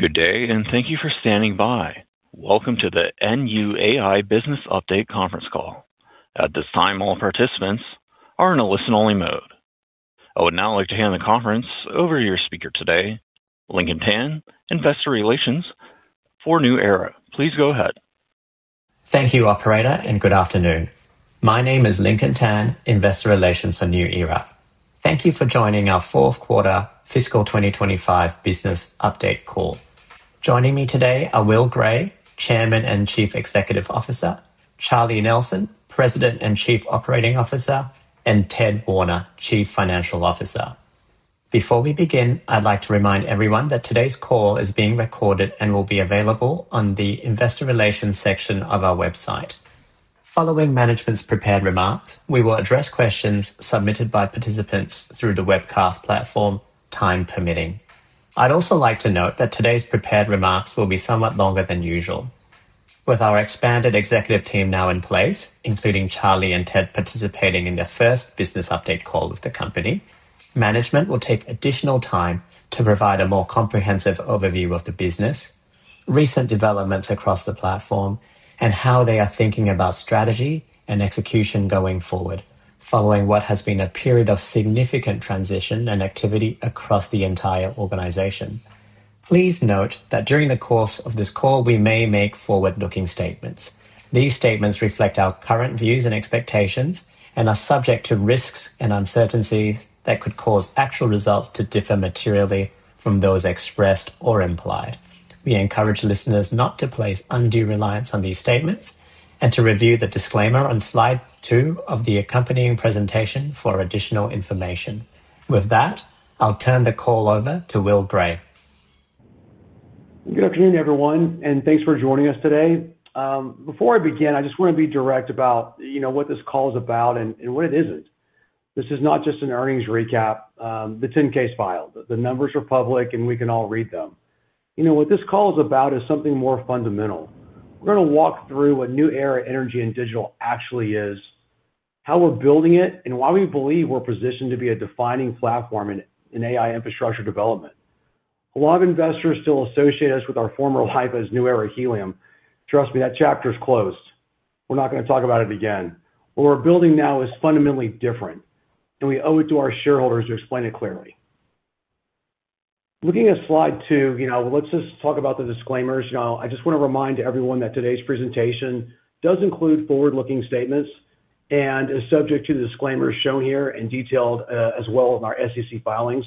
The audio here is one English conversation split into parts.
Good day, and thank you for standing by. Welcome to the NUAI Business Update Conference Call. At this time, all participants are in a listen-only mode. I would now like to hand the conference over to your speaker today, Lincoln Tan, Investor Relations for New Era. Please go ahead. Thank you, operator, and good afternoon. My name is Lincoln Tan, Investor Relations for New Era. Thank you for joining our fourth quarter fiscal 2025 business update call. Joining me today are Will Gray, Chairman and Chief Executive Officer, Charlie Nelson, President and Chief Operating Officer, and Ted Warner, Chief Financial Officer. Before we begin, I'd like to remind everyone that today's call is being recorded and will be available on the investor relations section of our website. Following management's prepared remarks, we will address questions submitted by participants through the webcast platform, time permitting. I'd also like to note that today's prepared remarks will be somewhat longer than usual. With our expanded executive team now in place, including Charlie and Ted participating in their first business update call with the company, management will take additional time to provide a more comprehensive overview of the business, recent developments across the platform, and how they are thinking about strategy and execution going forward following what has been a period of significant transition and activity across the entire organization. Please note that during the course of this call, we may make forward-looking statements. These statements reflect our current views and expectations and are subject to risks and uncertainties that could cause actual results to differ materially from those expressed or implied. We encourage listeners not to place undue reliance on these statements and to review the disclaimer on slide two of the accompanying presentation for additional information. With that, I'll turn the call over to Will Gray. Good afternoon, everyone, and thanks for joining us today. Before I begin, I just wanna be direct about, you know, what this call is about and what it isn't. This is not just an earnings recap, the 10-K's filed. The numbers are public, and we can all read them. You know, what this call is about is something more fundamental. We're gonna walk through what New Era Energy & Digital actually is, how we're building it, and why we believe we're positioned to be a defining platform in AI infrastructure development. A lot of investors still associate us with our former life as New Era Helium. Trust me, that chapter is closed. We're not gonna talk about it again. What we're building now is fundamentally different, and we owe it to our shareholders to explain it clearly. Looking at slide two, you know, let's just talk about the disclaimers. You know, I just wanna remind everyone that today's presentation does include forward-looking statements and is subject to the disclaimers shown here and detailed as well in our SEC filings.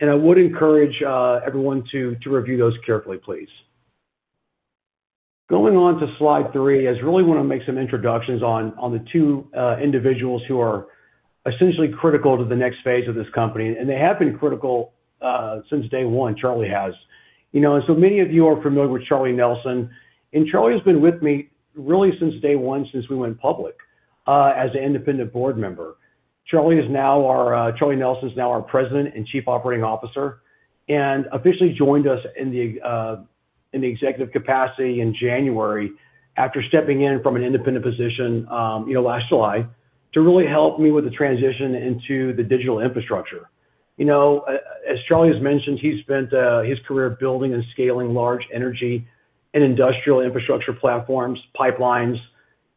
I would encourage everyone to review those carefully, please. Going on to slide three, I just really wanna make some introductions on the two individuals who are essentially critical to the next phase of this company, and they have been critical since day one, Charlie has. You know, and so many of you are familiar with Charlie Nelson, and Charlie has been with me really since day one, since we went public as an independent board member. Charlie Nelson is now our President and Chief Operating Officer and officially joined us in the executive capacity in January after stepping in from an independent position, you know, last July, to really help me with the transition into the digital infrastructure. You know, as Charlie has mentioned, he spent his career building and scaling large energy and industrial infrastructure platforms, pipelines,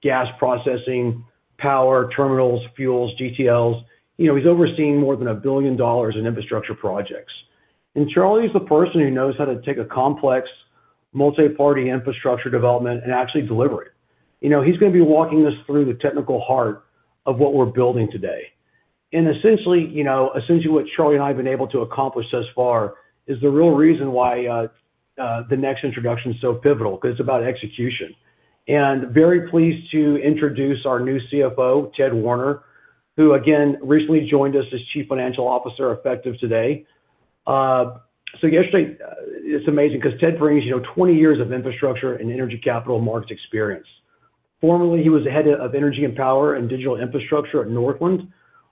gas processing, power terminals, fuels, GTLs. You know, he's overseeing more than a billion dollars in infrastructure projects. Charlie is the person who knows how to take a complex multi-party infrastructure development and actually deliver it. You know, he's gonna be walking us through the technical heart of what we're building today. Essentially, you know, what Charlie and I have been able to accomplish thus far is the real reason why the next introduction is so pivotal 'cause it's about execution. And very pleased to introduce our new CFO, Ted Warner, who again recently joined us as Chief Financial Officer effective today. It's amazing 'cause Ted brings, you know, 20 years of infrastructure and energy capital markets experience. Formerly, he was the head of energy and power and digital infrastructure at Northland,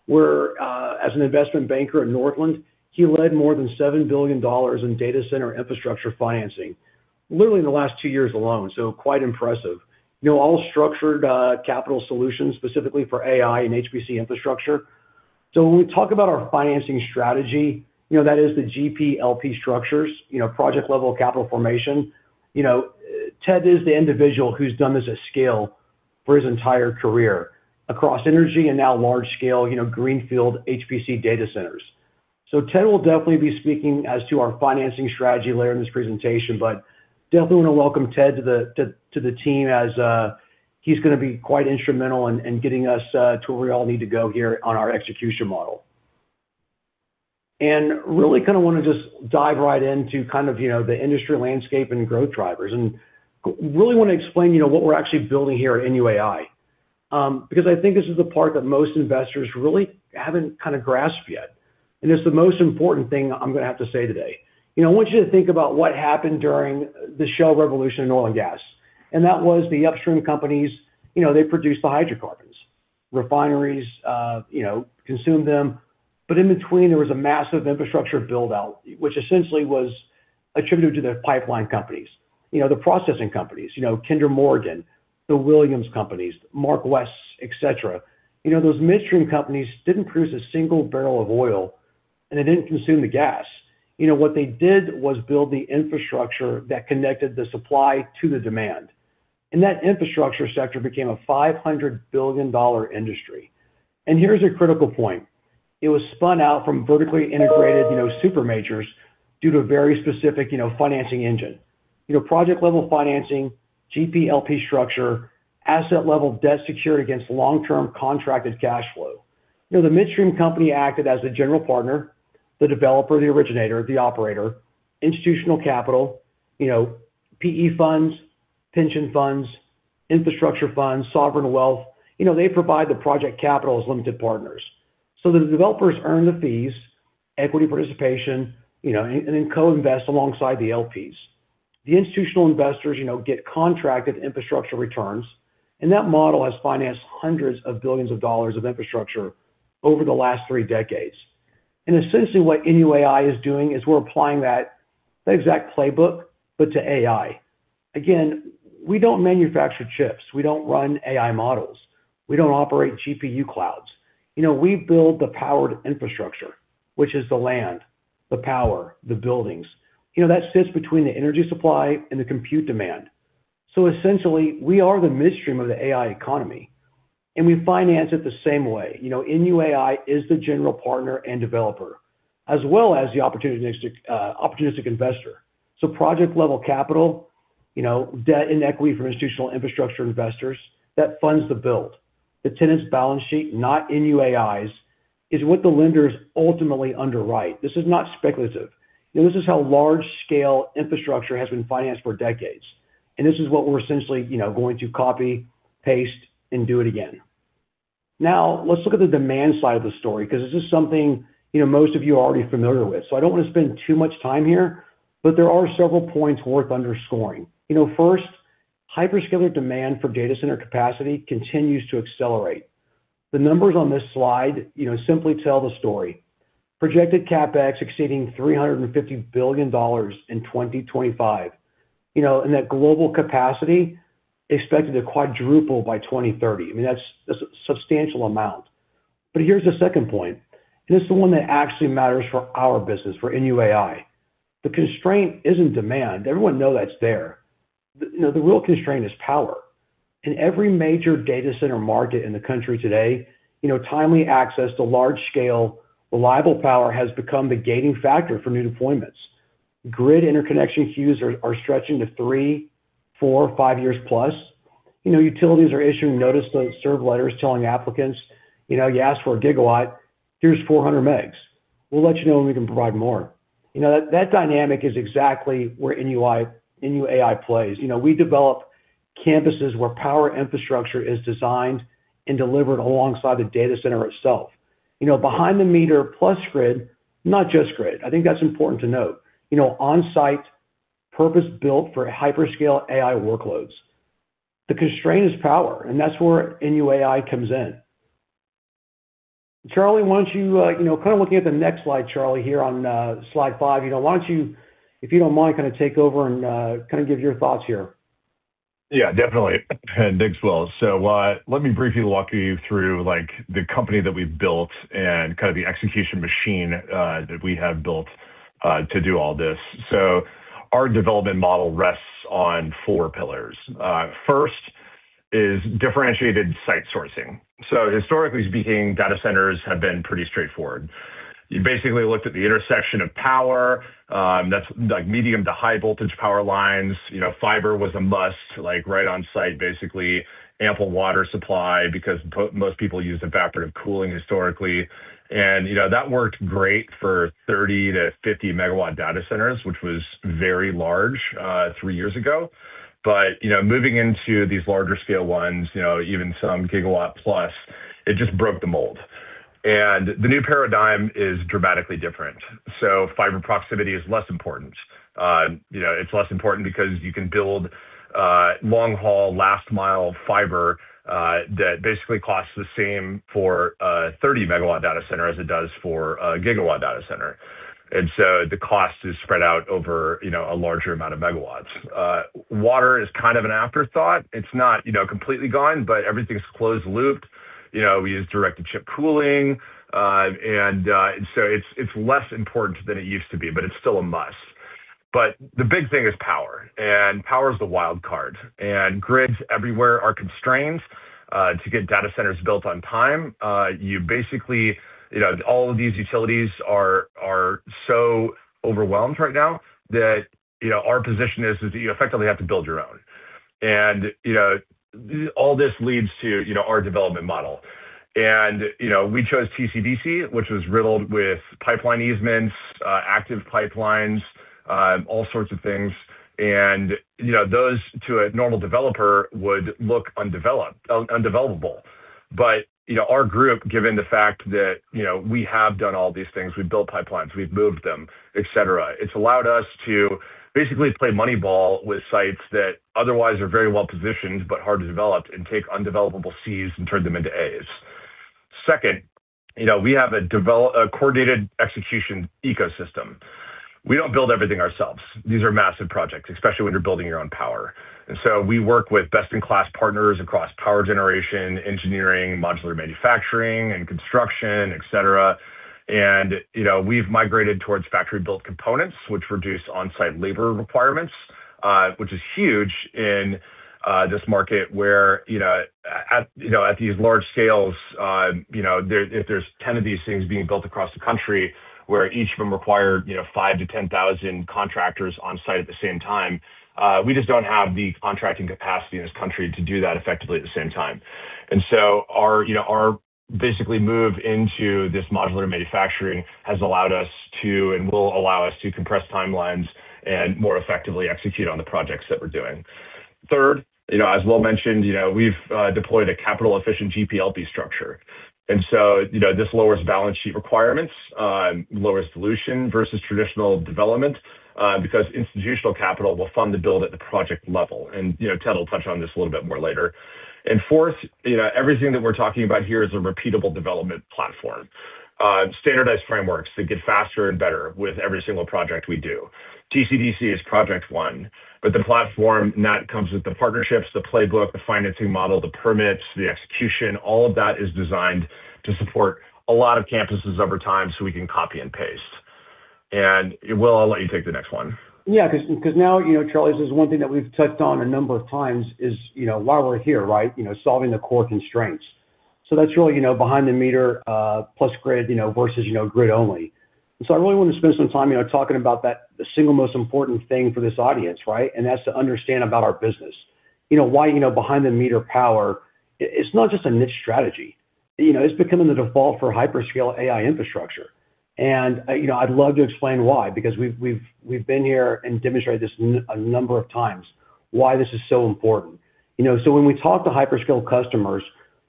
where, as an investment banker at Northland, he led more than $7 billion in data center infrastructure financing, literally in the last two years alone, so quite impressive. You know, all structured capital solutions specifically for AI and HPC infrastructure. When we talk about our financing strategy, you know, that is the GP-LP structures, you know, project level capital formation. You know, Ted is the individual who's done this at scale for his entire career across energy and now large scale, you know, greenfield HPC data centers. Ted will definitely be speaking as to our financing strategy later in this presentation, but definitely wanna welcome Ted to the team as he's gonna be quite instrumental in getting us to where we all need to go here on our execution model. Really kinda wanna just dive right into kind of, you know, the industry landscape and growth drivers. Really wanna explain, you know, what we're actually building here at NUAI, because I think this is the part that most investors really haven't kind of grasped yet. It's the most important thing I'm gonna have to say today. You know, I want you to think about what happened during the shale revolution in oil and gas, and that was the upstream companies, you know, they produced the hydrocarbons. Refineries, you know, consumed them. But in between, there was a massive infrastructure build-out, which essentially was attributed to the pipeline companies, you know, the processing companies, you know, Kinder Morgan, the Williams Companies, MarkWest, et cetera. You know, those midstream companies didn't produce a single barrel of oil, and they didn't consume the gas. You know, what they did was build the infrastructure that connected the supply to the demand. That infrastructure sector became a $500 billion industry. Here's a critical point. It was spun out from vertically integrated, you know, super majors due to a very specific, you know, financing engine. You know, project-level financing, GP-LP structure, asset-level debt secured against long-term contracted cash flow. You know, the midstream company acted as the general partner, the developer, the originator, the operator, institutional capital, you know, PE funds, pension funds, infrastructure funds, sovereign wealth. You know, they provide the project capital as limited partners. So the developers earn the fees, equity participation, you know, and co-invest alongside the LPs. The institutional investors, you know, get contracted infrastructure returns, and that model has financed hundreds of billions of dollars of infrastructure over the last three decades. Essentially, what NUAI is doing is we're applying that exact playbook, but to AI. Again, we don't manufacture chips. We don't run AI models. We don't operate GPU clouds. You know, we build the power infrastructure, which is the land, the power, the buildings. You know, that sits between the energy supply and the compute demand. Essentially, we are the midstream of the AI economy, and we finance it the same way. You know, NUAI is the general partner and developer, as well as the opportunistic investor. Project-level capital, you know, debt and equity from institutional infrastructure investors that funds the build. The tenant's balance sheet, not NUAI's, is what the lenders ultimately underwrite. This is not speculative. You know, this is how large-scale infrastructure has been financed for decades, and this is what we're essentially, you know, going to copy, paste, and do it again. Now, let's look at the demand side of the story because this is something, you know, most of you are already familiar with. I don't want to spend too much time here, but there are several points worth underscoring. You know, first, hyperscaler demand for data center capacity continues to accelerate. The numbers on this slide, you know, simply tell the story. Projected CapEx exceeding $350 billion in 2025. You know, that global capacity expected to quadruple by 2030. I mean, that's a substantial amount. Here's the second point, and this is the one that actually matters for our business, for NUAI. The constraint isn't demand. Everyone know that's there. You know, the real constraint is power. In every major data center market in the country today, you know, timely access to large-scale, reliable power has become the gating factor for new deployments. Grid interconnection queues are stretching to three, four, five years plus. You know, utilities are issuing notice to serve letters telling applicants, you know, you asked for a gigawatt, here's 400 megs. We'll let you know when we can provide more. You know, that dynamic is exactly where NUAI plays. You know, we develop campuses where power infrastructure is designed and delivered alongside the data center itself. You know, behind the meter plus grid, not just grid. I think that's important to note. You know, on-site, purpose-built for hyperscale AI workloads. The constraint is power, and that's where NUAI comes in. Charlie, why don't you know, kind of looking at the next slide, Charlie, here on slide five. You know, why don't you, if you don't mind, kind of take over and kind of give your thoughts here. Yeah, definitely. Thanks, Will. Let me briefly walk you through, like, the company that we've built and kind of the execution machine that we have built to do all this. Our development model rests on four pillars. First is differentiated site sourcing. Historically speaking, data centers have been pretty straightforward. You basically looked at the intersection of power, that's like medium to high voltage power lines. You know, fiber was a must, like, right on-site, basically ample water supply because most people use evaporative cooling historically. You know, that worked great for 30 to 50 MW data centers, which was very large three years ago. You know, moving into these larger scale ones, you know, even some gigawatts plus, it just broke the mold. The new paradigm is dramatically different. Fiber proximity is less important. You know, it's less important because you can build long-haul, last-mile fiber that basically costs the same for a 30 MW data center as it does for a gigawatt data center. The cost is spread out over, you know, a larger amount of megawatt. Water is kind of an afterthought. It's not, you know, completely gone, but everything's closed-looped. You know, we use direct-to-chip cooling. It's less important than it used to be, but it's still a must. The big thing is power, and power is the wild card. Grids everywhere are constrained to get data centers built on time. You know, all of these utilities are so overwhelmed right now that, you know, our position is that you effectively have to build your own. You know, all this leads to, you know, our development model. You know, we chose TCDC, which was riddled with pipeline easements, active pipelines, all sorts of things. You know, those to a normal developer would look undevelopable. You know, our group, given the fact that, you know, we have done all these things, we've built pipelines, we've moved them, et cetera, it's allowed us to basically play money ball with sites that otherwise are very well-positioned but hard to develop and take undevelopable Cs and turn them into As. Second, you know, we have a coordinated execution ecosystem. We don't build everything ourselves. These are massive projects, especially when you're building your own power. We work with best-in-class partners across power generation, engineering, modular manufacturing, and construction, et cetera. You know, we've migrated towards factory-built components, which reduce on-site labor requirements, which is huge in this market where, you know, at these large scales, you know, if there's 10 of these things being built across the country, where each of them require, you know, 5,000-10,000 contractors on site at the same time, we just don't have the contracting capacity in this country to do that effectively at the same time. Our basic move into this modular manufacturing has allowed us to, and will allow us to, compress timelines and more effectively execute on the projects that we're doing. Third, you know, as Will mentioned, you know, we've deployed a capital-efficient GP-LP structure. You know, this lowers balance sheet requirements, lowers dilution versus traditional development, because institutional capital will fund the build at the project level. You know, Ted will touch on this a little bit more later. Fourth, you know, everything that we're talking about here is a repeatable development platform. Standardized frameworks that get faster and better with every single project we do. TCDC is project one, but the platform, and that comes with the partnerships, the playbook, the financing model, the permits, the execution, all of that is designed to support a lot of campuses over time, so we can copy and paste. Will, I'll let you take the next one. Yeah, 'cause now, you know, Charlie, this is one thing that we've touched on a number of times is, you know, why we're here, right? You know, solving the core constraints. That's really, you know, behind the meter, plus grid, you know, versus, you know, grid only. I really want to spend some time, you know, talking about that, the single most important thing for this audience, right? That's to understand about our business. You know, why, you know, behind the meter power it's not just a niche strategy. You know, it's becoming the default for hyperscale AI infrastructure. You know, I'd love to explain why, because we've been here and demonstrated this a number of times why this is so important. You know, so when we talk to hyperscale customers,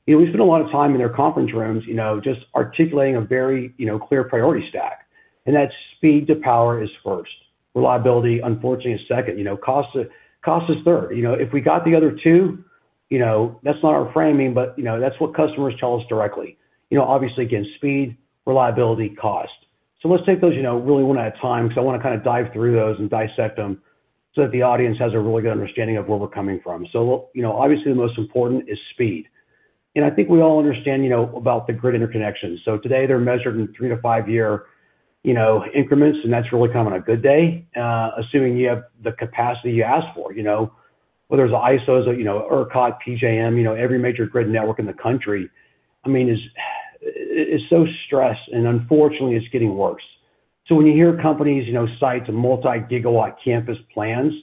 you know, we spend a lot of time in their conference rooms, you know, just articulating a very, you know, clear priority stack. That's speed to power is first. Reliability, unfortunately, is second. You know, cost is third. You know, if we got the other two, you know, that's not our framing, but, you know, that's what customers tell us directly. You know, obviously, again, speed, reliability, cost. Let's take those, you know, really one at a time, because I want to kind of dive through those and dissect them so that the audience has a really good understanding of where we're coming from. You know, obviously, the most important is speed. I think we all understand, you know, about the grid interconnections. Today they're measured in three to five year, you know, increments, and that's really come on a good day, assuming you have the capacity you ask for. You know, whether it's ISOs or, you know, ERCOT, PJM, you know, every major grid network in the country, I mean, is so stressed, and unfortunately, it's getting worse. When you hear companies, you know, cite to multi-gigawatt campus plans,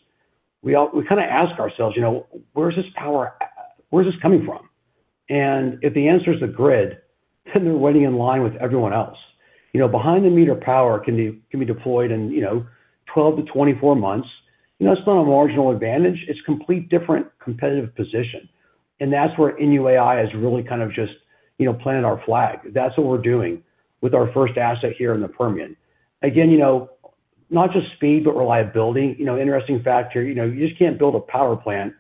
we kind of ask ourselves, you know, where's this power at? Where's this coming from? And if the answer is the grid, then they're waiting in line with everyone else. You know, behind-the-meter power can be deployed in, you know, 12 to 24 months. You know, it's not a marginal advantage, it's complete different competitive position. That's where NUAI has really kind of just, you know, planted our flag. That's what we're doing with our first asset here in the Permian. Again, you know, not just speed, but reliability. You know, interesting fact here, you know, you just can't build a power plant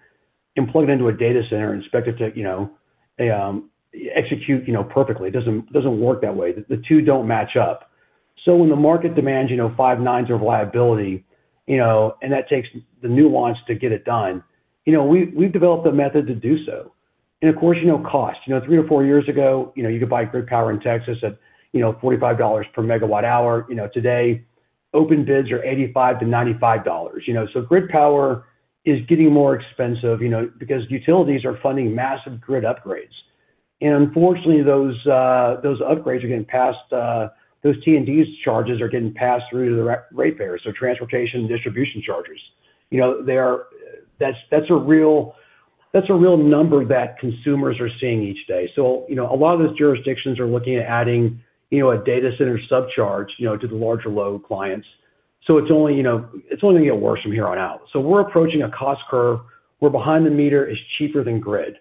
and plug it into a data center and expect it to, you know, execute, you know, perfectly. It doesn't work that way. The two don't match up. When the market demands, you know, five nines of reliability, you know, and that takes the nuance to get it done, you know, we've developed a method to do so. Of course, you know, cost. You know, three or four years ago, you know, you could buy grid power in Texas at, you know, $45 per MWh. You know, today, open bids are $85-$95. You know, grid power is getting more expensive, you know, because utilities are funding massive grid upgrades. Unfortunately, those upgrades are getting passed, those T&D charges are getting passed through to the ratepayers, so transmission and distribution charges. You know, that's a real number that consumers are seeing each day. You know, a lot of those jurisdictions are looking at adding, you know, a data center subcharge, you know, to the larger load clients. It's only, you know, it's only gonna get worse from here on out. We're approaching a cost curve where behind-the-meter is cheaper than grid.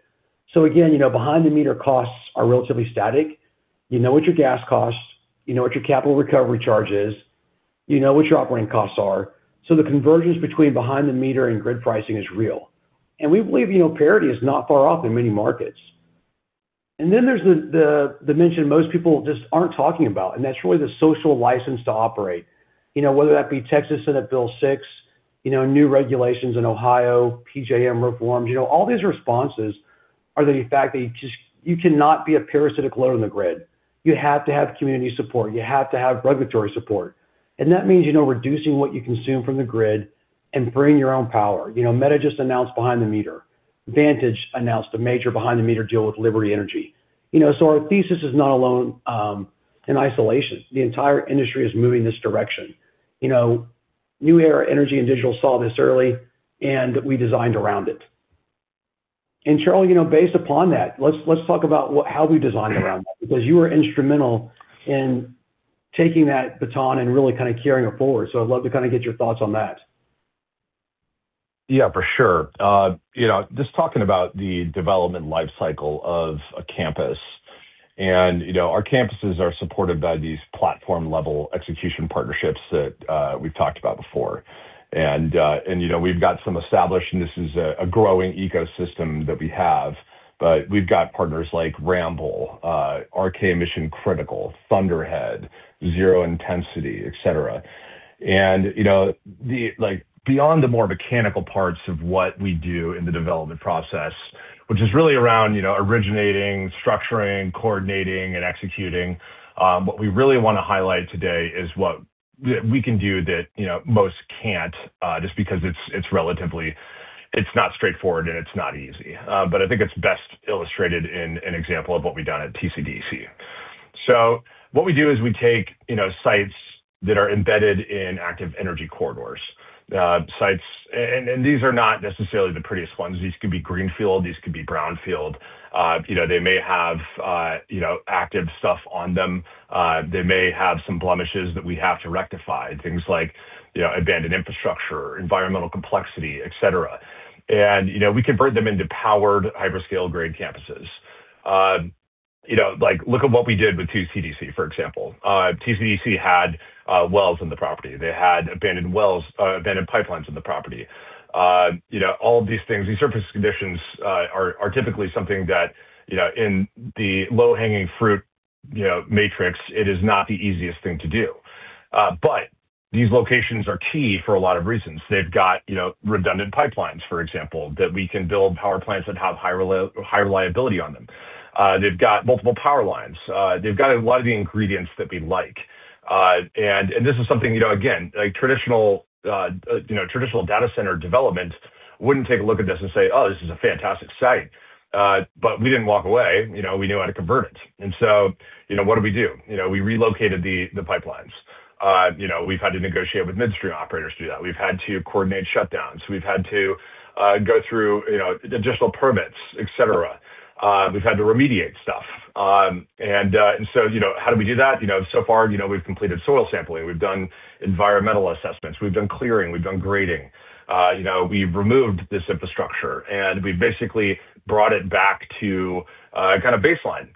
Again, you know, behind-the-meter costs are relatively static. You know what your gas costs, you know what your capital recovery charge is, you know what your operating costs are. The convergence between behind-the-meter and grid pricing is real. We believe, you know, parity is not far off in many markets. Then there's the mention most people just aren't talking about, and that's really the social license to operate. You know, whether that be Texas Senate Bill 6, you know, new regulations in Ohio, PJM reforms. You know, all these responses are the fact that you cannot be a parasitic load on the grid. You have to have community support. You have to have regulatory support. And that means, you know, reducing what you consume from the grid and bringing your own power. You know, Meta just announced behind-the-meter. Vantage announced a major behind-the-meter deal with Liberty Energy. You know, our thesis is not alone in isolation. The entire industry is moving this direction. You know, New Era Energy & Digital saw this early, and we designed around it. Charlie, you know, based upon that, let's talk about how we designed around that, because you were instrumental in taking that baton and really kind of carrying it forward. I'd love to kind of get your thoughts on that. Yeah, for sure. You know, just talking about the development life cycle of a campus. You know, our campuses are supported by these platform-level execution partnerships that we've talked about before. You know, we've got some established, and this is a growing ecosystem that we have, but we've got partners like Ramboll, RK Mission Critical, Thunderhead, ZeroIntensity, et cetera. You know, like, beyond the more mechanical parts of what we do in the development process, which is really around, you know, originating, structuring, coordinating, and executing, what we really wanna highlight today is what, you know, we can do that, you know, most can't, just because it's relatively not straightforward and it's not easy. But I think it's best illustrated in an example of what we've done at TCDC. What we do is we take, you know, sites that are embedded in active energy corridors. Sites and these are not necessarily the prettiest ones. These could be greenfield, these could be brownfield. You know, they may have active stuff on them. They may have some blemishes that we have to rectify, things like, you know, abandoned infrastructure, environmental complexity, et cetera. You know, we convert them into powered hyperscale-grade campuses. You know, like, look at what we did with TCDC, for example. TCDC had wells on the property. They had abandoned wells, abandoned pipelines on the property. You know, all of these things, these surface conditions, are typically something that, you know, in the low-hanging fruit matrix, it is not the easiest thing to do. These locations are key for a lot of reasons. They've got, you know, redundant pipelines, for example, that we can build power plants that have high reliability on them. They've got multiple power lines. They've got a lot of the ingredients that we like. This is something, you know, again, like traditional, you know, traditional data center development wouldn't take a look at this and say, "Oh, this is a fantastic site." We didn't walk away, you know. We knew how to convert it. What did we do? You know, we relocated the pipelines. You know, we've had to negotiate with midstream operators to do that. We've had to coordinate shutdowns. We've had to go through, you know, additional permits, et cetera. We've had to remediate stuff. How do we do that? You know, so far, you know, we've completed soil sampling. We've done environmental assessments. We've done clearing. We've done grading. You know, we've removed this infrastructure, and we've basically brought it back to kinda baseline.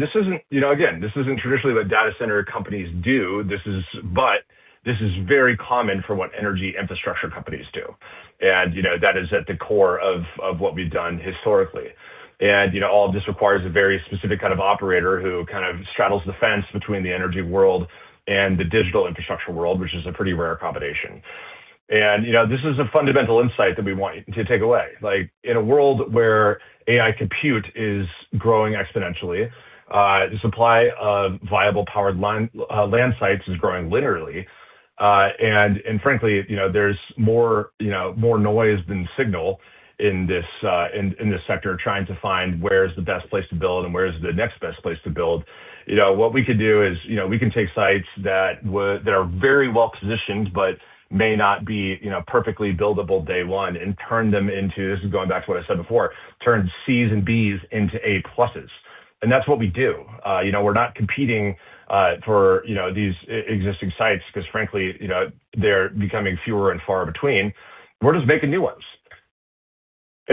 This isn't traditionally what data center companies do. This is very common for what energy infrastructure companies do. You know, that is at the core of what we've done historically. You know, all of this requires a very specific kind of operator who kind of straddles the fence between the energy world and the digital infrastructure world, which is a pretty rare combination. You know, this is a fundamental insight that we want you to take away. Like, in a world where AI compute is growing exponentially, the supply of viable power line land sites is growing linearly. Frankly, you know, there's more, you know, more noise than signal in this sector trying to find where is the best place to build and where is the next best place to build. You know, what we could do is, you know, we can take sites that are very well positioned but may not be, you know, perfectly buildable day one and turn them into, this is going back to what I said before, turn Cs and Bs into A+. That's what we do. You know, we're not competing for, you know, these existing sites 'cause frankly, you know, they're becoming fewer and far between. We're just making new ones.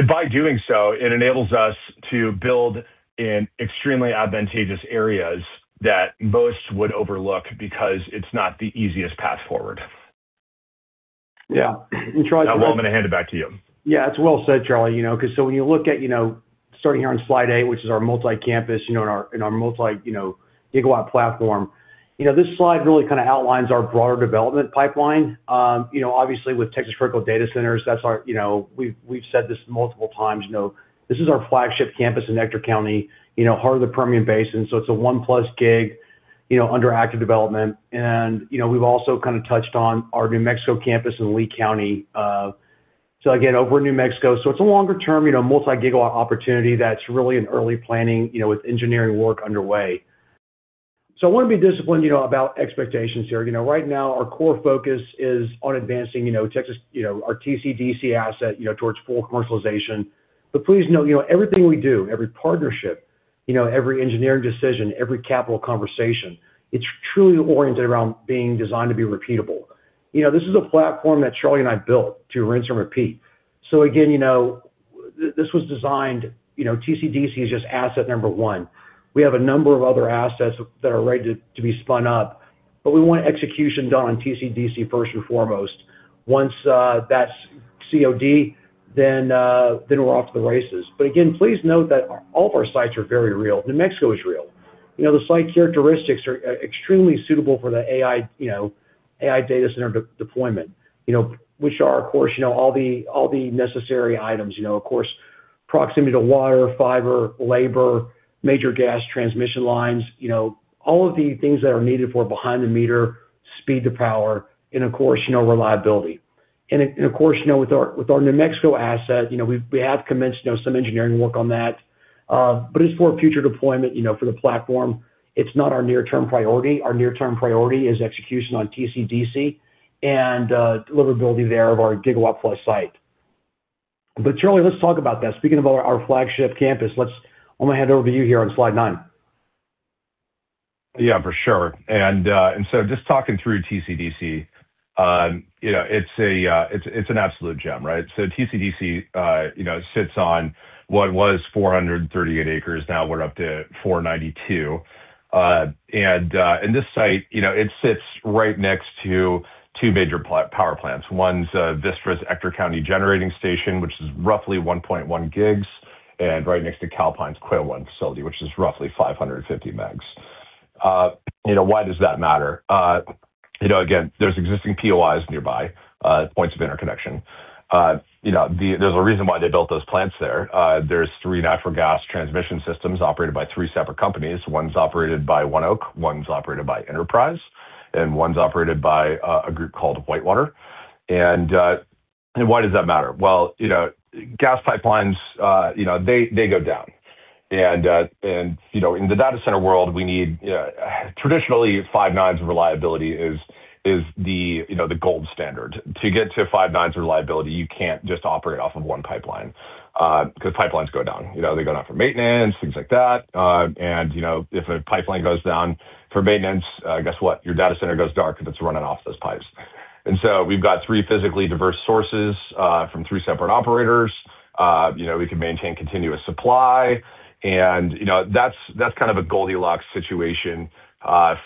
By doing so, it enables us to build in extremely advantageous areas that most would overlook because it's not the easiest path forward. Yeah. Charlie- Will, I'm gonna hand it back to you. Yeah. It's well said, Charlie. You know, 'cause so when you look at, you know, starting here on slide eight, which is our multi-campus, you know, and our multi gigawatt platform, you know, this slide really kinda outlines our broader development pipeline. You know, obviously with Texas Critical Data Centers, that's our flagship campus in Ector County, you know, heart of the Permian Basin. It's a one plus gig under active development. You know, we've also kind of touched on our New Mexico campus in Lea County. Again, over in New Mexico. It's a longer term, you know, multi-gigawatt opportunity that's really in early planning, you know, with engineering work underway. I wanna be disciplined, you know, about expectations here. You know, right now our core focus is on advancing, you know, Texas, you know, our TCDC asset, you know, towards full commercialization. Please know, you know, everything we do, every partnership, you know, every engineering decision, every capital conversation, it's truly oriented around being designed to be repeatable. You know, this is a platform that Charlie and I built to rinse and repeat. Again, you know, this was designed, you know, TCDC is just asset number one. We have a number of other assets that are ready to be spun up, but we want execution done on TCDC first and foremost. Once that's COD, then we're off to the races. Again, please note that all of our sites are very real. New Mexico is real. You know, the site characteristics are extremely suitable for the AI, you know, AI data center deployment. You know, which are, of course, you know, all the necessary items. You know, of course, proximity to water, fiber, labor, major gas transmission lines, you know, all of the things that are needed for behind-the-meter, speed to power and, of course, you know, reliability. Of course, you know, with our New Mexico asset, you know, we have commenced some engineering work on that. But it's for future deployment, you know, for the platform. It's not our near-term priority. Our near-term priority is execution on TCDC and deliverability there of our gigawatt plus site. But Charlie, let's talk about that. Speaking about our flagship campus, I'm gonna hand it over to you here on slide 9. Yeah, for sure. Just talking through TCDC, you know, it's an absolute gem, right? TCDC, you know, sits on what was 438 acres, now we're up to 492. This site, you know, sits right next to two major power plants. One's, Vistra's Ector County Generating Station, which is roughly 1.1 gigs. Right next to Calpine's Quail Run so which is roughly 550 megs. You know, why does that matter? You know, again, there's existing POIs nearby, points of interconnection. You know, there's a reason why they built those plants there. There's three natural gas transmission systems operated by three separate companies. One's operated by ONEOK, one's operated by Enterprise, and one's operated by a group called WhiteWater. Why does that matter? Well, you know, gas pipelines, you know, they go down. You know, in the data center world, we need, traditionally five nines of reliability is the, you know, the gold standard. To get to five nines of reliability, you can't just operate off of one pipeline, 'cause pipelines go down. You know, they go down for maintenance, things like that. You know, if a pipeline goes down for maintenance, guess what? Your data center goes dark if it's running off those pipes. We've got three physically diverse sources, from three separate operators. You know, we can maintain continuous supply and, you know, that's kind of a Goldilocks situation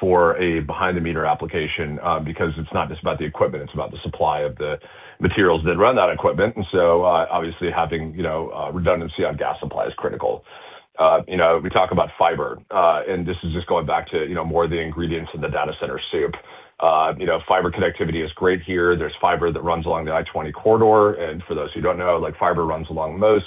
for a behind-the-meter application, because it's not just about the equipment, it's about the supply of the materials that run that equipment. Obviously having, you know, redundancy on gas supply is critical. You know, we talk about fiber, and this is just going back to, you know, more of the ingredients in the data center soup. You know, fiber connectivity is great here. There's fiber that runs along the I-20 corridor, and for those who don't know, like, fiber runs along most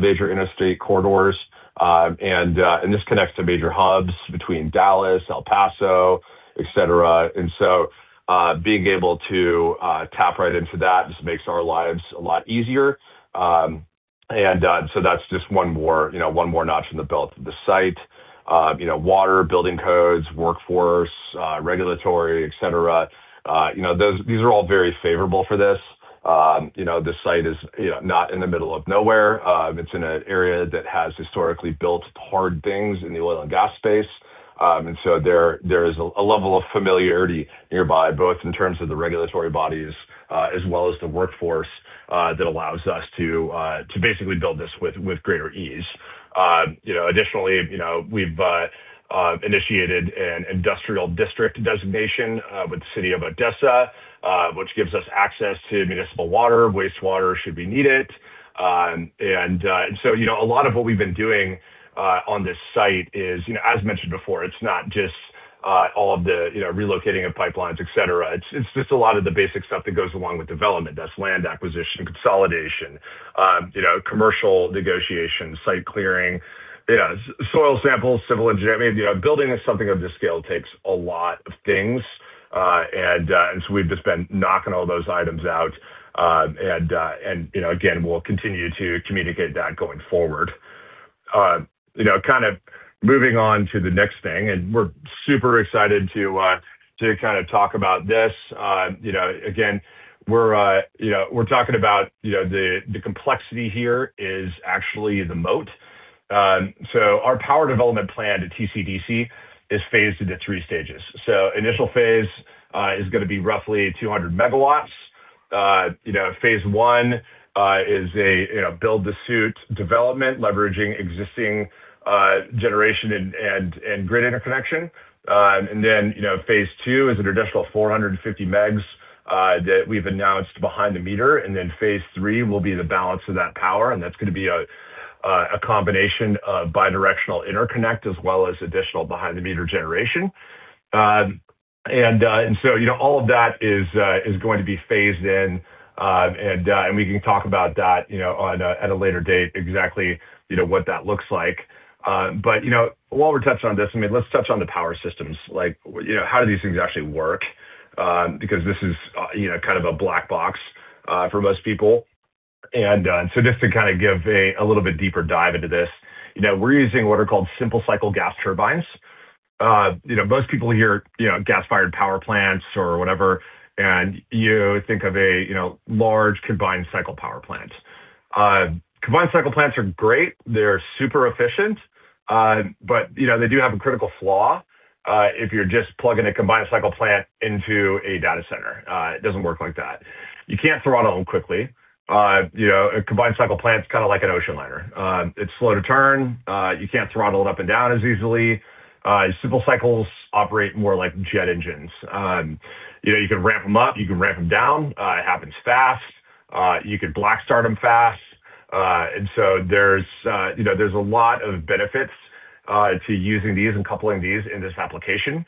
major interstate corridors. And this connects to major hubs between Dallas, El Paso, et cetera. Being able to tap right into that just makes our lives a lot easier. That's just one more, you know, one more notch in the belt of the site. Water, building codes, workforce, regulatory, et cetera, these are all very favorable for this. The site is, you know, not in the middle of nowhere. It's in an area that has historically built hard things in the oil and gas space. There is a level of familiarity nearby, both in terms of the regulatory bodies, as well as the workforce, that allows us to basically build this with greater ease. Additionally, we've initiated an industrial district designation with the city of Odessa, which gives us access to municipal water, wastewater should we need it. You know, a lot of what we've been doing on this site is, you know, as mentioned before, it's not just all of the, you know, relocating of pipelines, et cetera. It's just a lot of the basic stuff that goes along with development. That's land acquisition, consolidation, you know, commercial negotiation, site clearing, you know, soil samples, civil engineering. You know, building something of this scale takes a lot of things. We've just been knocking all those items out. You know, again, we'll continue to communicate that going forward. You know, kind of moving on to the next thing, and we're super excited to kind of talk about this. You know, again, we're talking about, you know, the complexity here is actually the moat. Our power development plan to TCDC is phased into three stages. Initial phase is gonna be roughly 200 MW. Phase I is a build to suit development, leveraging existing generation and grid interconnection. Phase II is an additional 450 MW that we've announced behind-the-meter. Phase III will be the balance of that power, and that's gonna be a combination of bidirectional interconnect as well as additional behind-the-meter generation. You know, all of that is going to be phased in, and we can talk about that, you know, at a later date exactly, you know, what that looks like. You know, while we're touching on this, I mean, let's touch on the power systems. Like, you know, how do these things actually work? Because this is, you know, kind of a black box for most people. Just to kind of give a little bit deeper dive into this, you know, we're using what are called simple-cycle gas turbines. You know, most people hear, you know, gas-fired power plants or whatever, and you think of a, you know, large combined cycle power plant. Combined cycle plants are great. They're super efficient, but, you know, they do have a critical flaw, if you're just plugging a combined cycle plant into a data center. It doesn't work like that. You can't throttle them quickly. You know, a combined cycle plant's kind of like an ocean liner. It's slow to turn. You can't throttle it up and down as easily. Simple cycles operate more like jet engines. You know, you can ramp them up, you can ramp them down. It happens fast. You could black start them fast. There's, you know, there's a lot of benefits, to using these and coupling these in this application,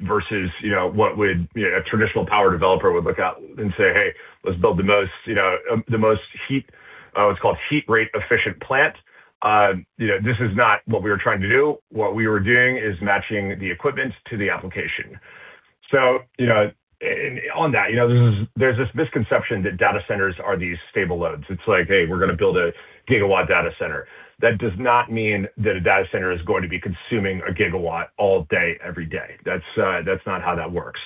versus, you know, what would, you know, a traditional power developer would look at and say, "Hey, let's build the most, you know, the most heat. What's called heat-rate-efficient plant. You know, this is not what we were trying to do. What we were doing is matching the equipment to the application. You know, on that, you know, this is. There's this misconception that data centers are these stable loads. It's like, "Hey, we're gonna build a gigawatt data center." That does not mean that a data center is going to be consuming a gigawatt all day, every day. That's not how that works.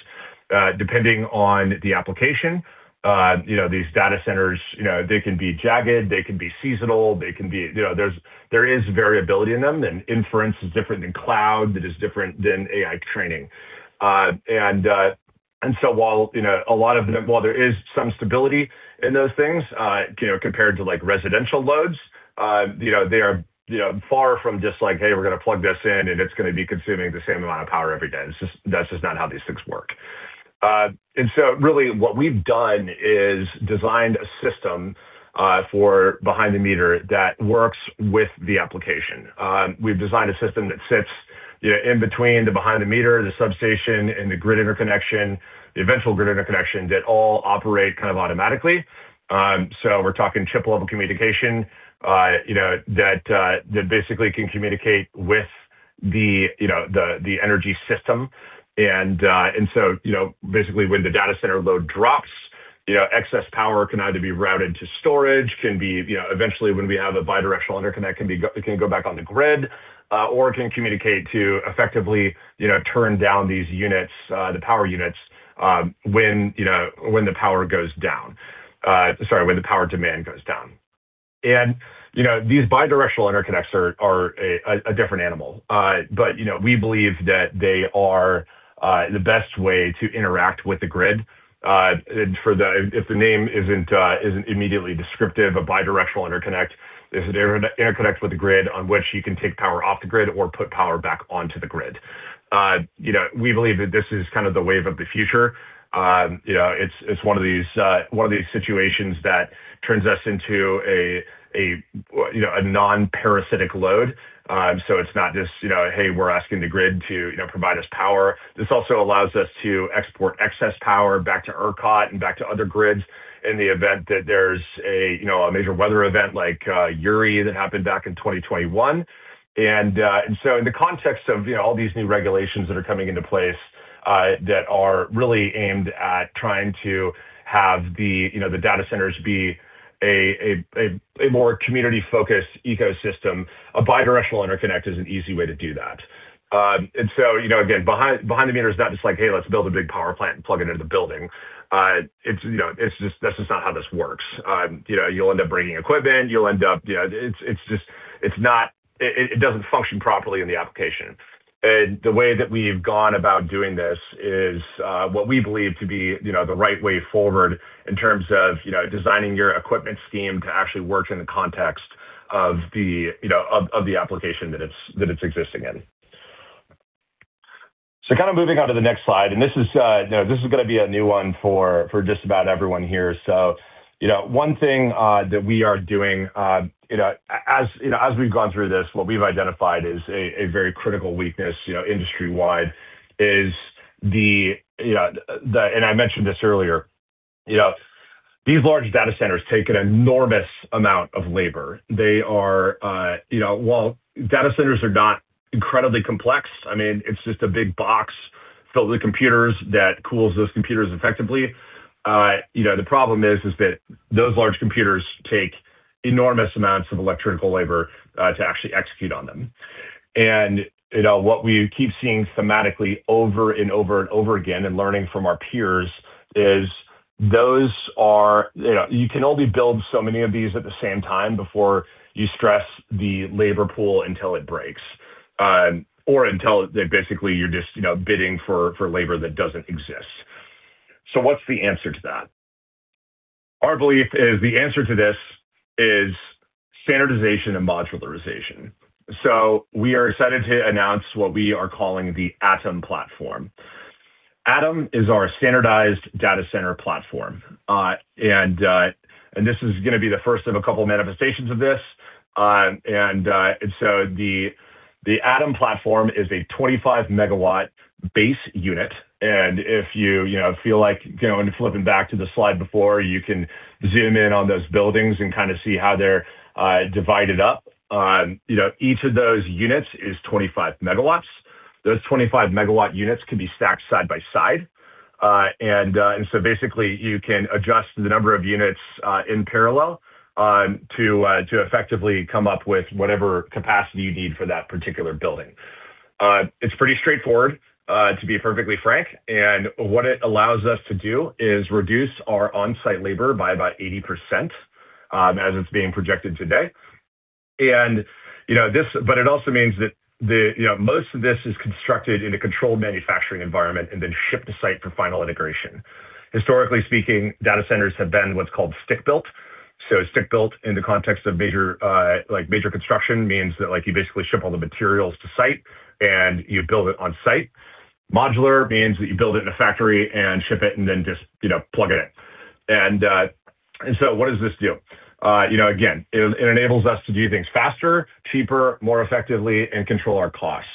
Depending on the application, you know, these data centers, you know, they can be jagged, they can be seasonal. You know, there is variability in them, and inference is different than cloud, it is different than AI training. While there is some stability in those things, you know, compared to, like, residential loads, you know, they are, you know, far from just like, "Hey, we're gonna plug this in, and it's gonna be consuming the same amount of power every day." That's just not how these things work. Really what we've done is designed a system for behind-the-meter that works with the application. We've designed a system that sits, you know, in between the behind-the-meter, the substation, and the grid interconnection, the eventual grid interconnection that all operate kind of automatically. We're talking chip-level communication, you know, that basically can communicate with the, you know, the energy system. You know, basically, when the data center load drops, you know, excess power can either be routed to storage, can be, you know, eventually, when we have a bidirectional interconnect, it can go back on the grid, or it can communicate to effectively, you know, turn down these units, the power units, when, you know, when the power goes down. Sorry, when the power demand goes down. You know, these bidirectional interconnects are a different animal. You know, we believe that they are the best way to interact with the grid. If the name isn't immediately descriptive, a bidirectional interconnect is an interconnect with the grid on which you can take power off the grid or put power back onto the grid. You know, we believe that this is kind of the wave of the future. You know, it's one of these situations that turns us into a you know, a non-parasitic load. It's not just you know, hey, we're asking the grid to you know, provide us power. This also allows us to export excess power back to ERCOT and back to other grids in the event that there's a you know, a major weather event like Uri that happened back in 2021. In the context of you know, all these new regulations that are coming into place that are really aimed at trying to have the you know, the data centers be a more community-focused ecosystem, a bidirectional interconnect is an easy way to do that. You know, again, behind the meter is not just like, "Hey, let's build a big power plant and plug it into the building." It's, you know, it's just not how this works. You know, you'll end up bringing equipment. You know, it doesn't function properly in the application. The way that we've gone about doing this is what we believe to be, you know, the right way forward in terms of, you know, designing your equipment scheme to actually work in the context of the, you know, of the application that it's existing in. Kind of moving on to the next slide, and this is, you know, this is gonna be a new one for just about everyone here. You know, one thing that we are doing, you know, as we've gone through this, what we've identified is a very critical weakness, you know, industry-wide, is the. I mentioned this earlier. You know, these large data centers take an enormous amount of labor. They are, you know. While data centers are not incredibly complex, I mean, it's just a big box filled with computers that cools those computers effectively. You know, the problem is that those large computers take enormous amounts of electrical labor to actually execute on them. You know, what we keep seeing thematically over and over and over again and learning from our peers is those are. You know, you can only build so many of these at the same time before you stress the labor pool until it breaks, or until basically you're just, you know, bidding for labor that doesn't exist. What's the answer to that? Our belief is the answer to this is standardization and modularization. We are excited to announce what we are calling the ATOM platform. ATOM is our standardized data center platform. This is gonna be the first of a couple manifestations of this. The ATOM platform is a 25 MW base unit, and if you know, feel like going and flipping back to the slide before, you can zoom in on those buildings and kind of see how they're divided up. You know, each of those units is 25 MW. Those 25 megawatt units can be stacked side by side. Basically, you can adjust the number of units in parallel to effectively come up with whatever capacity you need for that particular building. It's pretty straightforward to be perfectly frank, and what it allows us to do is reduce our on-site labor by about 80%, as it's being projected today. Most of this is constructed in a controlled manufacturing environment and then shipped to site for final integration. Historically speaking, data centers have been what's called stick-built. Stick-built in the context of major construction means that, like, you basically ship all the materials to site, and you build it on-site. Modular means that you build it in a factory and ship it and then just, you know, plug it in. What does this do? You know, again, it enables us to do things faster, cheaper, more effectively, and control our costs.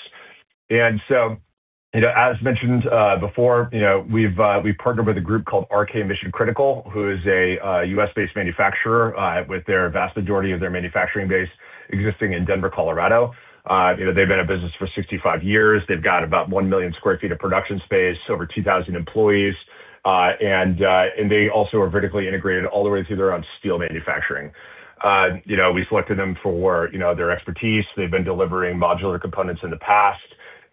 You know, as mentioned before, you know, we've partnered with a group called RK Mission Critical, who is a U.S. based manufacturer with the vast majority of their manufacturing base existing in Denver, Colorado. They've been in business for 65 years. They've got about 1 million sq ft of production space, over 2,000 employees, and they also are vertically integrated all the way through their own steel manufacturing. You know, we selected them for, you know, their expertise. They've been delivering modular components in the past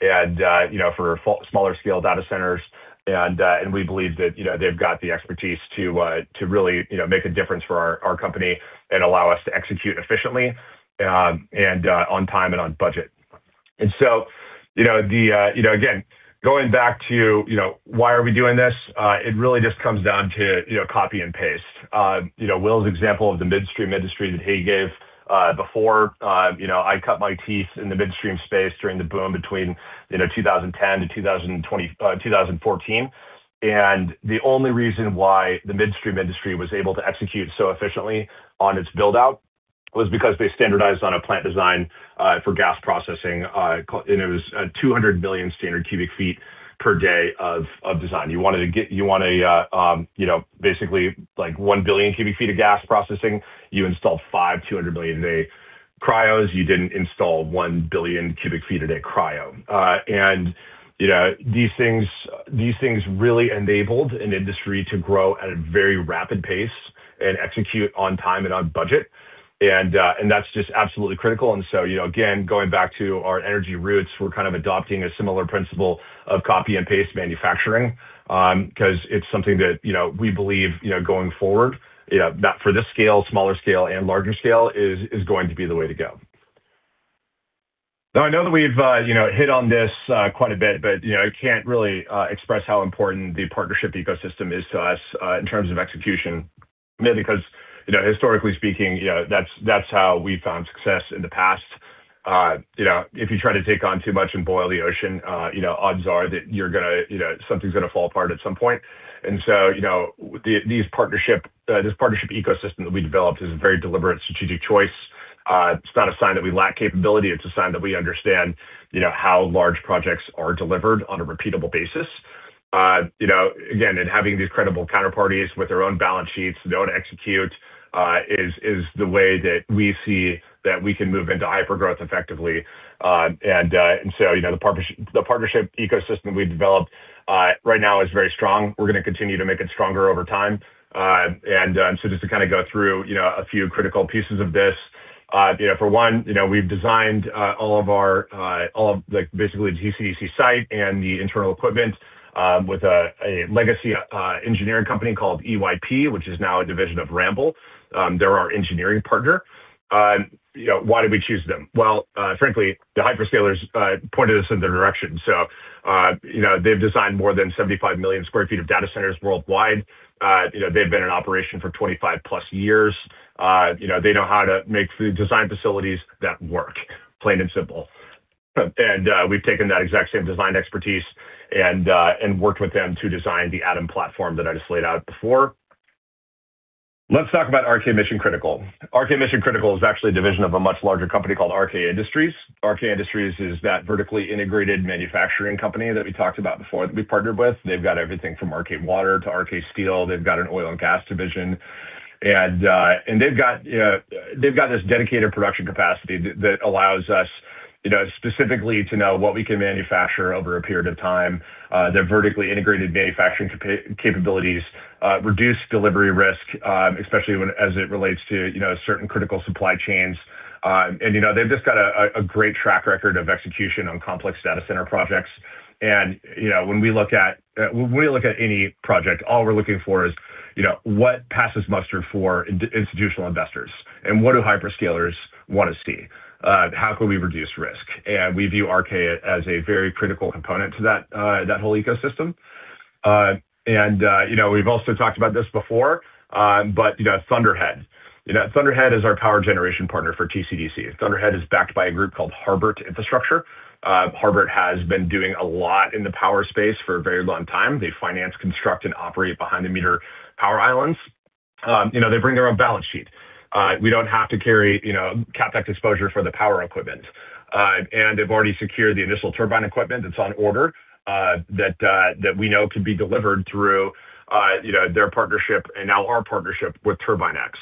and, you know, for far smaller scale data centers, and we believe that, you know, they've got the expertise to really, you know, make a difference for our company and allow us to execute efficiently, and on time and on budget. You know, again, going back to, you know, why are we doing this? It really just comes down to, you know, copy and paste. You know, Will's example of the midstream industry that he gave before, you know, I cut my teeth in the midstream space during the boom between 2010 to 2014. The only reason why the midstream industry was able to execute so efficiently on its build-out was because they standardized on a plant design for gas processing. It was 200 million standard cu ft per day of design. You want a, you know, basically like 1 billion cu ft of gas processing, you install five, 200 million a day cryos. You didn't install 1 billion cu ft a day cryo. You know, these things really enabled an industry to grow at a very rapid pace and execute on time and on budget. That's just absolutely critical. You know, again, going back to our energy roots, we're kind of adopting a similar principle of copy and paste manufacturing, 'cause it's something that, you know, we believe, you know, going forward, for this scale, smaller scale and larger scale is going to be the way to go. Now, I know that we've, you know, hit on this, quite a bit, but, you know, I can't really, express how important the partnership ecosystem is to us, in terms of execution. Mainly because, you know, historically speaking, you know, that's how we found success in the past. You know, if you try to take on too much and boil the ocean, you know, odds are that you're gonna, you know, something's gonna fall apart at some point. You know, this partnership ecosystem that we developed is a very deliberate strategic choice. It's not a sign that we lack capability, it's a sign that we understand, you know, how large projects are delivered on a repeatable basis. You know, again, having these credible counterparties with their own balance sheets know how to execute is the way that we see that we can move into hypergrowth effectively. You know, the partnership ecosystem we've developed right now is very strong. We're gonna continue to make it stronger over time. Just to kind of go through, you know, a few critical pieces of this. You know, for one, you know, we've designed all of our, all of like basically TCDC site and the internal equipment with a legacy engineering company called EYP, which is now a division of Ramboll. They're our engineering partner. You know, why did we choose them? Well, frankly, the hyperscalers pointed us in their direction. You know, they've designed more than 75 million sq ft of data centers worldwide. You know, they've been in operation for 25+ years. You know, they know how to design facilities that work, plain and simple. We've taken that exact same design expertise and worked with them to design the ATOM platform that I just laid out before. Let's talk about RK Mission Critical. RK Mission Critical is actually a division of a much larger company called RK Industries. RK Industries is that vertically integrated manufacturing company that we talked about before that we partnered with. They've got everything from RK Water to RK Steel. They've got an oil and gas division. They've got this dedicated production capacity that allows us, you know, specifically to know what we can manufacture over a period of time. Their vertically integrated manufacturing capabilities reduce delivery risk, especially as it relates to, you know, certain critical supply chains. You know, they've just got a great track record of execution on complex data center projects. You know, when we look at any project, all we're looking for is, you know, what passes muster for institutional investors, and what do hyperscalers wanna see? How can we reduce risk? We view RK as a very critical component to that whole ecosystem. You know, we've also talked about this before, but, you know, Thunderhead. You know, Thunderhead is our power generation partner for TCDC. Thunderhead is backed by a group called Harbert Infrastructure. Harbert has been doing a lot in the power space for a very long time. They finance, construct, and operate behind-the-meter power islands. You know, they bring their own balance sheet. We don't have to carry, you know, CapEx exposure for the power equipment. They've already secured the initial turbine equipment that's on order, that we know can be delivered through, you know, their partnership and now our partnership with Turbine-X.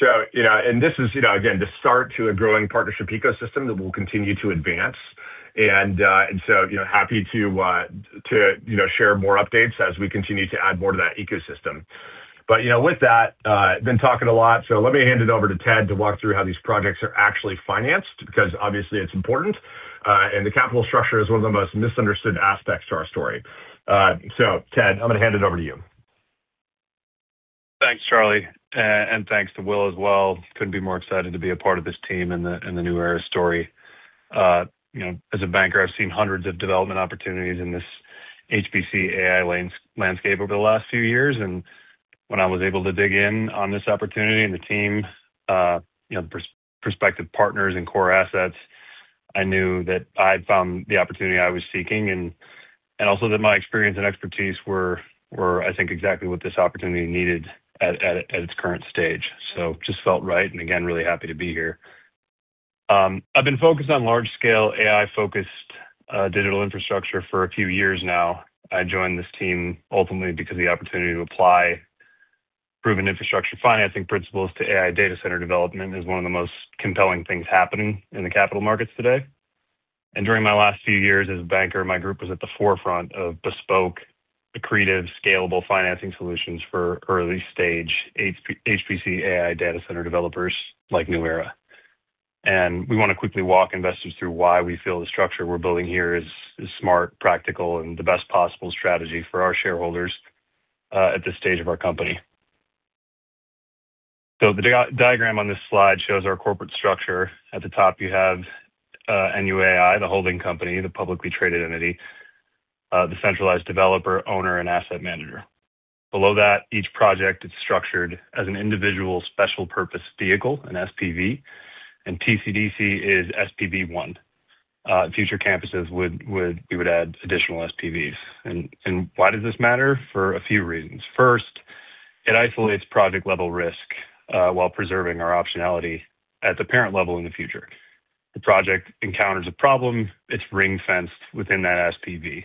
You know, and this is, you know, again, the start to a growing partnership ecosystem that we'll continue to advance. You know, happy to share more updates as we continue to add more to that ecosystem. You know, with that, I've been talking a lot, so let me hand it over to Ted to walk through how these projects are actually financed, because obviously it's important, and the capital structure is one of the most misunderstood aspects to our story. Ted, I'm gonna hand it over to you. Thanks, Charlie. Thanks to Will as well. Couldn't be more excited to be a part of this team and the New Era story. You know, as a banker, I've seen hundreds of development opportunities in this HPC/AI landscape over the last few years. When I was able to dig in on this opportunity and the team, you know, prospective partners and core assets, I knew that I'd found the opportunity I was seeking and also that my experience and expertise were, I think, exactly what this opportunity needed at its current stage. Just felt right, and again, really happy to be here. I've been focused on large scale AI-focused digital infrastructure for a few years now. I joined this team ultimately because the opportunity to apply proven infrastructure financing principles to AI data center development is one of the most compelling things happening in the capital markets today. During my last few years as a banker, my group was at the forefront of bespoke, accretive, scalable financing solutions for early-stage HPC/AI data center developers like New Era. We wanna quickly walk investors through why we feel the structure we're building here is smart, practical, and the best possible strategy for our shareholders at this stage of our company. The diagram on this slide shows our corporate structure. At the top you have NUAI, the holding company, the publicly traded entity, the centralized developer, owner, and asset manager. Below that, each project is structured as an individual special purpose vehicle, an SPV, and TCDC is SPV one. Future campuses would. We would add additional SPVs. Why does this matter? For a few reasons. First, it isolates project-level risk while preserving our optionality at the parent level in the future. The project encounters a problem, it's ring-fenced within that SPV.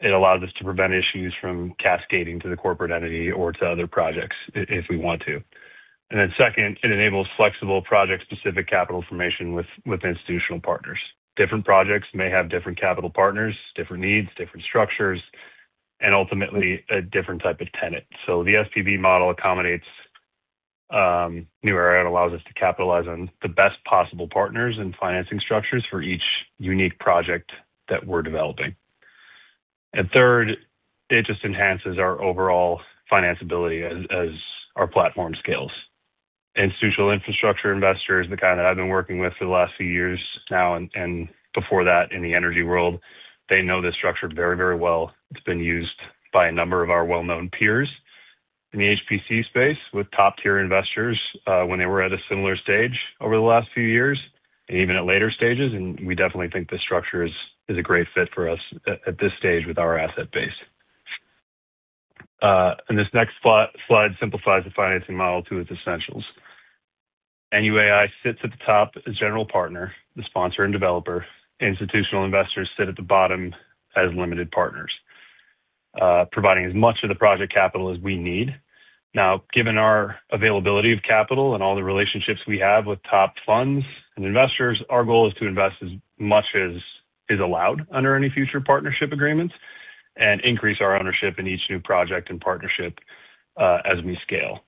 It allows us to prevent issues from cascading to the corporate entity or to other projects if we want to. Second, it enables flexible project-specific capital formation with institutional partners. Different projects may have different capital partners, different needs, different structures, and ultimately, a different type of tenant. The SPV model accommodates New Era. It allows us to capitalize on the best possible partners and financing structures for each unique project that we're developing. Third, it just enhances our overall financability as our platform scales. Institutional infrastructure investors, the kind that I've been working with for the last few years now and before that in the energy world, they know this structure very, very well. It's been used by a number of our well-known peers in the HPC space with top-tier investors, when they were at a similar stage over the last few years and even at later stages. We definitely think this structure is a great fit for us at this stage with our asset base. This next slide simplifies the financing model to its essentials. NUAI sits at the top as general partner, the sponsor and developer. Institutional investors sit at the bottom as limited partners, providing as much of the project capital as we need. Now, given our availability of capital and all the relationships we have with top funds and investors, our goal is to invest as much as is allowed under any future partnership agreements and increase our ownership in each new project and partnership, as we scale.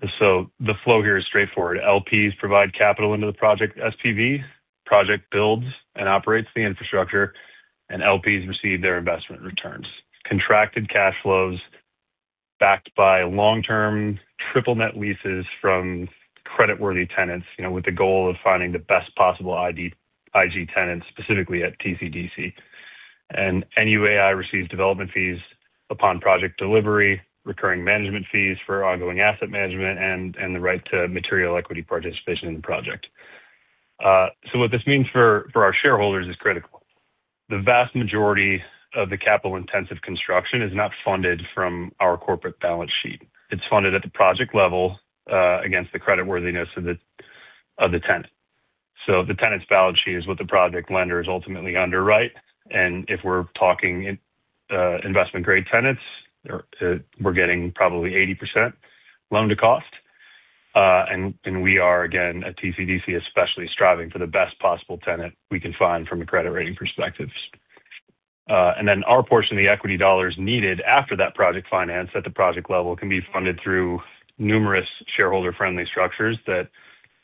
The flow here is straightforward. LPs provide capital into the project SPV. Project builds and operates the infrastructure, and LPs receive their investment returns. Contracted cash flows backed by long-term triple net leases from creditworthy tenants, you know, with the goal of finding the best possible IG tenants, specifically at TCDC. NUAI receives development fees upon project delivery, recurring management fees for ongoing asset management, and the right to material equity participation in the project. What this means for our shareholders is critical. The vast majority of the capital-intensive construction is not funded from our corporate balance sheet. It's funded at the project level, against the creditworthiness of the tenant. The tenant's balance sheet is what the project lender is ultimately underwrite. If we're talking investment-grade tenants, we're getting probably 80% loan-to-cost. We are again at TCDC, especially striving for the best possible tenant we can find from a credit rating perspective. Our portion of the equity dollars needed after that project finance at the project level can be funded through numerous shareholder-friendly structures that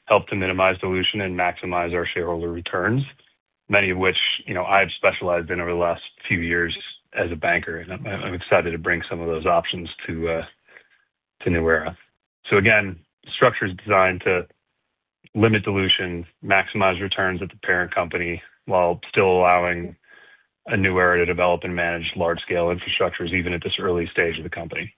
help to minimize dilution and maximize our shareholder returns, many of which, you know, I've specialized in over the last few years as a banker, and I'm excited to bring some of those options to New Era. Again, structure is designed to limit dilution, maximize returns at the parent company while still allowing a New Era to develop and manage large-scale infrastructures even at this early stage of the company.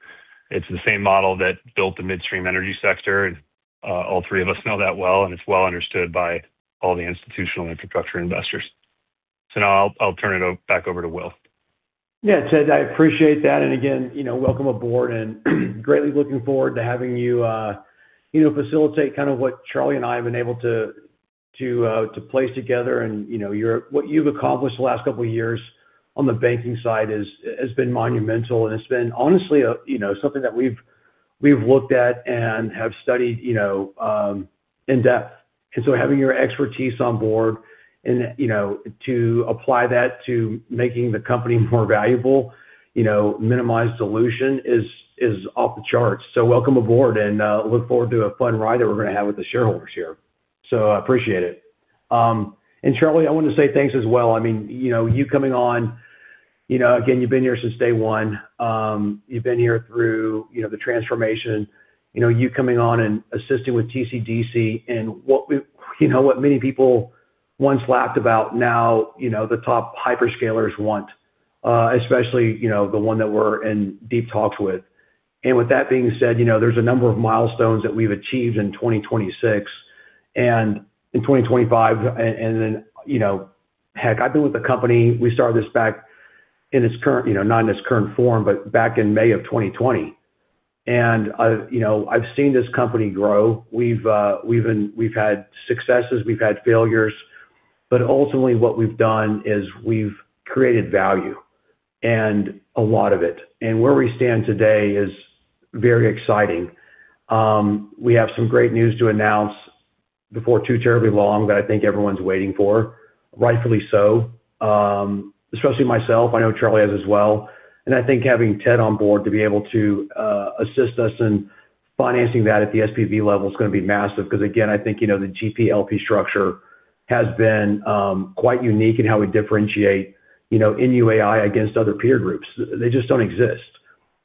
It's the same model that built the midstream energy sector, and all three of us know that well, and it's well understood by all the institutional infrastructure investors. Now I'll turn it back over to Will. Yeah, Ted, I appreciate that. Again, you know, welcome aboard and greatly looking forward to having you know, facilitate kind of what Charlie and I have been able to place together. You know, what you've accomplished the last couple of years on the banking side has been monumental, and it's been honestly, you know, something that we've looked at and have studied, you know, in depth. Having your expertise on board and, you know, to apply that to making the company more valuable, you know, minimize dilution is off the charts. Welcome aboard and look forward to a fun ride that we're gonna have with the shareholders here. I appreciate it. Charlie, I want to say thanks as well. I mean, you know, you coming on, you know, again, you've been here since day one. You've been here through, you know, the transformation. You know, you coming on and assisting with TCDC and what many people once laughed about now, you know, the top hyperscalers want, especially, you know, the one that we're in deep talks with. With that being said, you know, there's a number of milestones that we've achieved in 2026 and in 2025. Then, you know, heck, I've been with the company, we started this back in its current, you know, not in its current form, but back in May of 2020. You know, I've seen this company grow. We've had successes, we've had failures, but ultimately what we've done is we've created value, and a lot of it. Where we stand today is very exciting. We have some great news to announce before too terribly long that I think everyone's waiting for, rightfully so, especially myself. I know Charlie has as well. I think having Ted on board to be able to assist us in financing that at the SPV level is gonna be massive. 'Cause again, I think, you know, the GP-LP structure has been quite unique in how we differentiate, you know, NUAI against other peer groups. They just don't exist.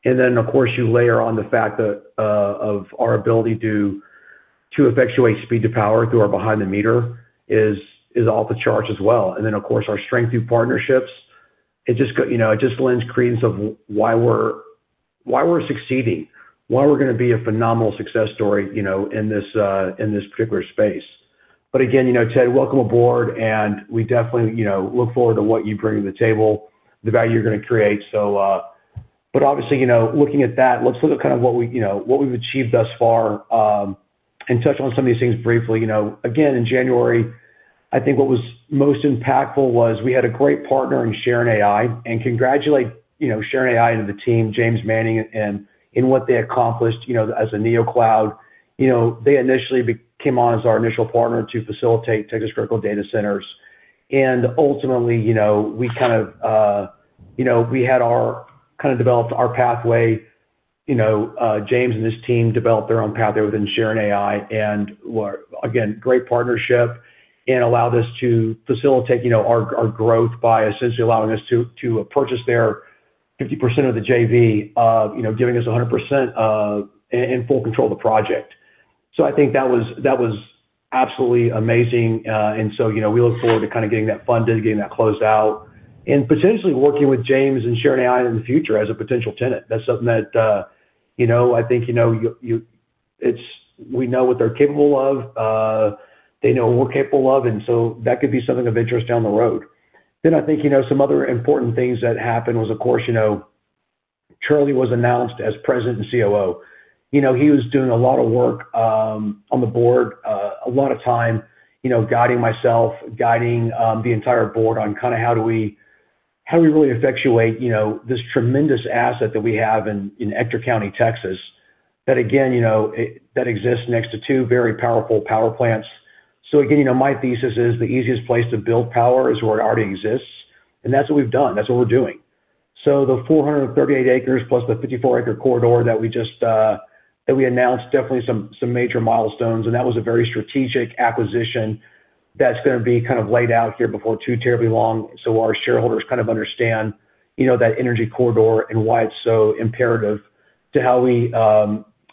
Then, of course, you layer on the fact that of our ability to effectuate speed to power through our behind-the-meter is off the charts as well. Of course, our strength through partnerships, it just you know, it just lends credence of why we're succeeding, why we're gonna be a phenomenal success story, you know, in this, in this particular space. Again, you know, Ted, welcome aboard, and we definitely, you know, look forward to what you bring to the table, the value you're gonna create. Obviously, you know, looking at that, let's look at kind of what we, you know, what we've achieved thus far, and touch on some of these things briefly. You know, again, in January, I think what was most impactful was we had a great partner in Sharon AI, and congratulate, you know, Sharon AI and the team, James Manning, and in what they accomplished, you know, as a Neocloud. You know, they initially became on as our initial partner to facilitate Texas Critical Data Centers. Ultimately, you know, we kind of developed our pathway, you know, James and his team developed their own pathway within Sharon AI. Again, great partnership and allowed us to facilitate, you know, our growth by essentially allowing us to purchase their 50% of the JV, you know, giving us 100% and full control of the project. I think that was absolutely amazing. You know, we look forward to kind of getting that funded, getting that closed out, and potentially working with James and Sharon AI in the future as a potential tenant. That's something that, you know, I think, you know, We know what they're capable of, they know what we're capable of, and so that could be something of interest down the road. I think, you know, some other important things that happened was, of course, you know, Charlie was announced as President and COO. You know, he was doing a lot of work, on the board, a lot of time, you know, guiding myself, the entire board on kind of how do we really effectuate, you know, this tremendous asset that we have in Ector County, Texas, that again, you know, that exists next to two very powerful power plants. Again, you know, my thesis is the easiest place to build power is where it already exists, and that's what we've done, that's what we're doing. The 438 acres plus the 54 acre corridor that we just announced, definitely some major milestones, and that was a very strategic acquisition that's gonna be kind of laid out here before too terribly long, so our shareholders kind of understand, you know, that energy corridor and why it's so imperative to how we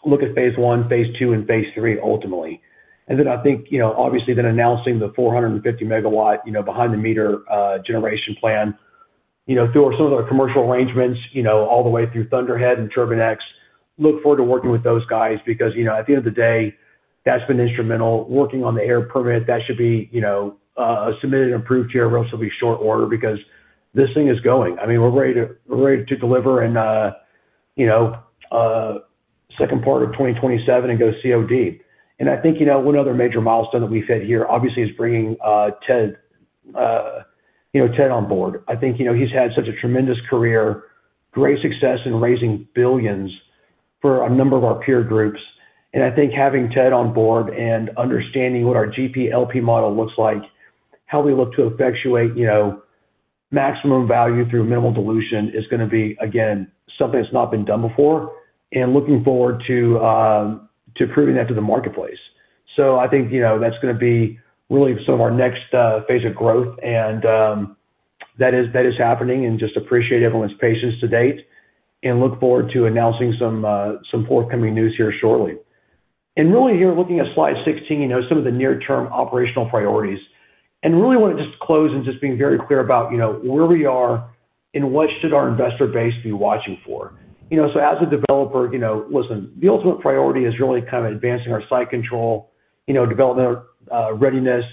look at phase I, phase II, and phase III ultimately. I think, you know, obviously then announcing the 450 MW, you know, behind-the-meter generation plan. You know, through some of our commercial arrangements, you know, all the way through Thunderhead and Turbine-X, look forward to working with those guys because, you know, at the end of the day, that's been instrumental. Working on the air permit, that should be, you know, submitted and approved here relatively short order because this thing is going. I mean, we're ready to deliver in, you know, second part of 2027 and go COD. I think, you know, one other major milestone that we've had here obviously is bringing Ted on board. I think, you know, he's had such a tremendous career, great success in raising billions for a number of our peer groups. I think having Ted on board and understanding what our GP-LP model looks like, how we look to effectuate, you know, maximum value through minimal dilution is gonna be, again, something that's not been done before and looking forward to proving that to the marketplace. I think, you know, that's gonna be really some of our next phase of growth and that is happening and I just appreciate everyone's patience to date and look forward to announcing some forthcoming news here shortly. I really want to just close by looking at slide 16, you know, some of the near-term operational priorities, and I'm just being very clear about, you know, where we are and what our investor base should be watching for. You know, as a developer, you know, listen, the ultimate priority is really kind of advancing our site control, you know, development, readiness.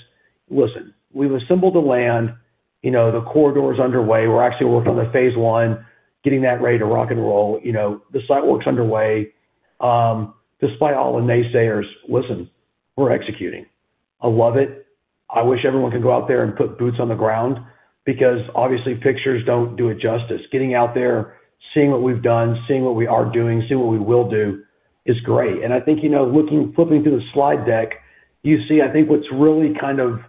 Listen, we've assembled the land, you know, the corridor's underway. We're actually working on the phase I, getting that ready to rock and roll. You know, the site work's underway. Despite all the naysayers, listen, we're executing. I love it. I wish everyone could go out there and put boots on the ground because obviously pictures don't do it justice. Getting out there, seeing what we've done, seeing what we are doing, seeing what we will do is great. I think, you know, flipping through the slide deck, you see I think what's really kind of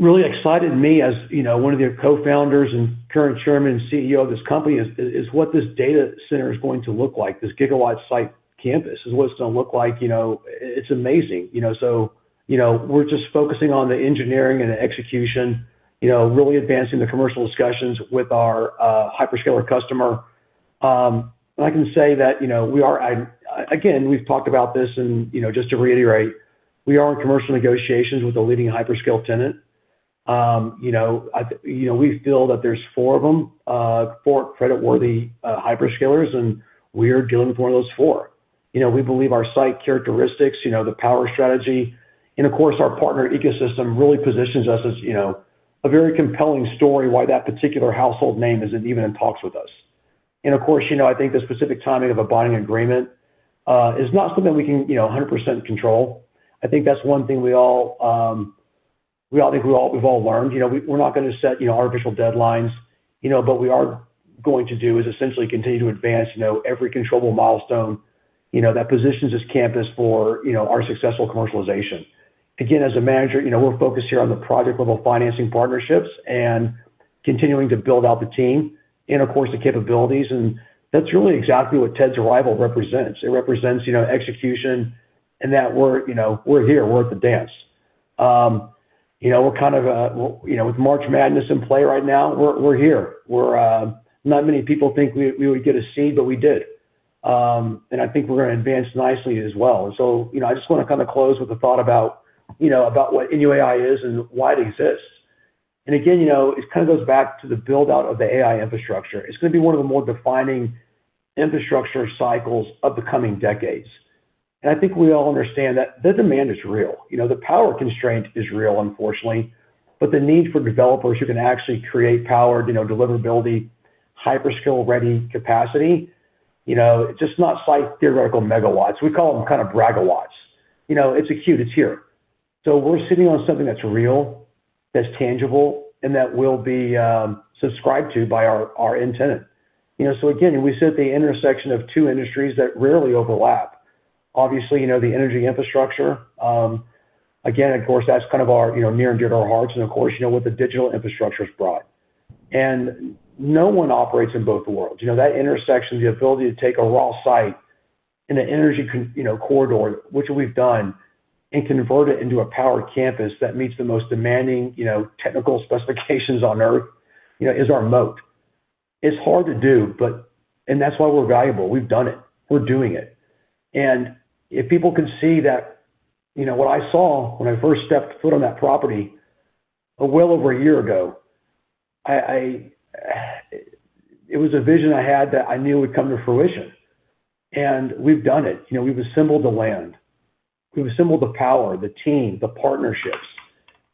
really excited me as, you know, one of the co-founders and current Chairman and CEO of this company is what this data center is going to look like. This gigawatt site campus is what it's gonna look like. You know, it's amazing. You know, we're just focusing on the engineering and the execution, you know, really advancing the commercial discussions with our hyperscaler customer. I can say that, you know, again, we've talked about this and, you know, just to reiterate, we are in commercial negotiations with a leading hyperscale tenant. You know, we feel that there's four of them, four creditworthy hyperscalers, and we're dealing with one of those four. You know, we believe our site characteristics, you know, the power strategy, and of course, our partner ecosystem really positions us as, you know, a very compelling story why that particular household name is even in talks with us. Of course, you know, I think the specific timing of a buying agreement is not something we can, you know, 100% control. I think that's one thing we've all learned. You know, we're not gonna set, you know, artificial deadlines, you know, but we are going to do is essentially continue to advance, you know, every controllable milestone, you know, that positions this campus for, you know, our successful commercialization. Again, as a manager, you know, we're focused here on the project level financing partnerships and continuing to build out the team and of course the capabilities. That's really exactly what Ted's arrival represents. It represents, you know, execution and that we're here, we're at the dance. You know, we're kind of with March Madness in play right now, we're here. Not many people think we would get a seed, but we did. I think we're gonna advance nicely as well. You know, I just wanna kind of close with the thought about what NUAI is and why it exists. Again, you know, it kind of goes back to the build-out of the AI infrastructure. It's gonna be one of the more defining infrastructure cycles of the coming decades. I think we all understand that the demand is real. You know, the power constraint is real, unfortunately, but the need for developers who can actually create power, you know, deliverability, hyperscale ready capacity, you know, it's just not theoretical megawatts. We call them kind of bragawatts. You know, it's acute, it's here. We're sitting on something that's real, that's tangible, and that will be subscribed to by our end tenant. You know, again, we sit at the intersection of two industries that rarely overlap. Obviously, you know, the energy infrastructure, again, of course, that's kind of our, you know, near and dear to our hearts and, of course, you know, what the digital infrastructure's brought. No one operates in both worlds. You know, that intersection, the ability to take a raw site in an energy corridor, which we've done, and convert it into a power campus that meets the most demanding, you know, technical specifications on Earth, you know, is our moat. It's hard to do, and that's why we're valuable. We've done it. We're doing it. If people can see that, you know, what I saw when I first stepped foot on that property well over a year ago, it was a vision I had that I knew would come to fruition. We've done it. You know, we've assembled the land, we've assembled the power, the team, the partnerships,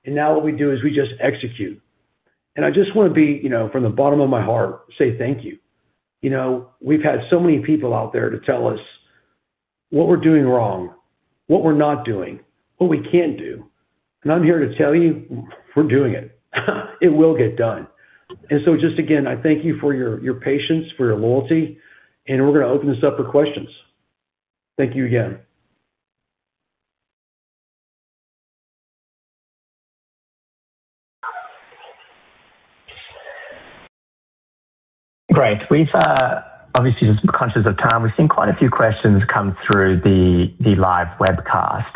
and now what we do is we just execute. I just wanna be, you know, from the bottom of my heart, say thank you. You know, we've had so many people out there to tell us what we're doing wrong, what we're not doing, what we can't do. I'm here to tell you we're doing it. It will get done. Just again, I thank you for your patience, for your loyalty, and we're gonna open this up for questions. Thank you again. Great. We've obviously just conscious of time. We've seen quite a few questions come through the live webcast.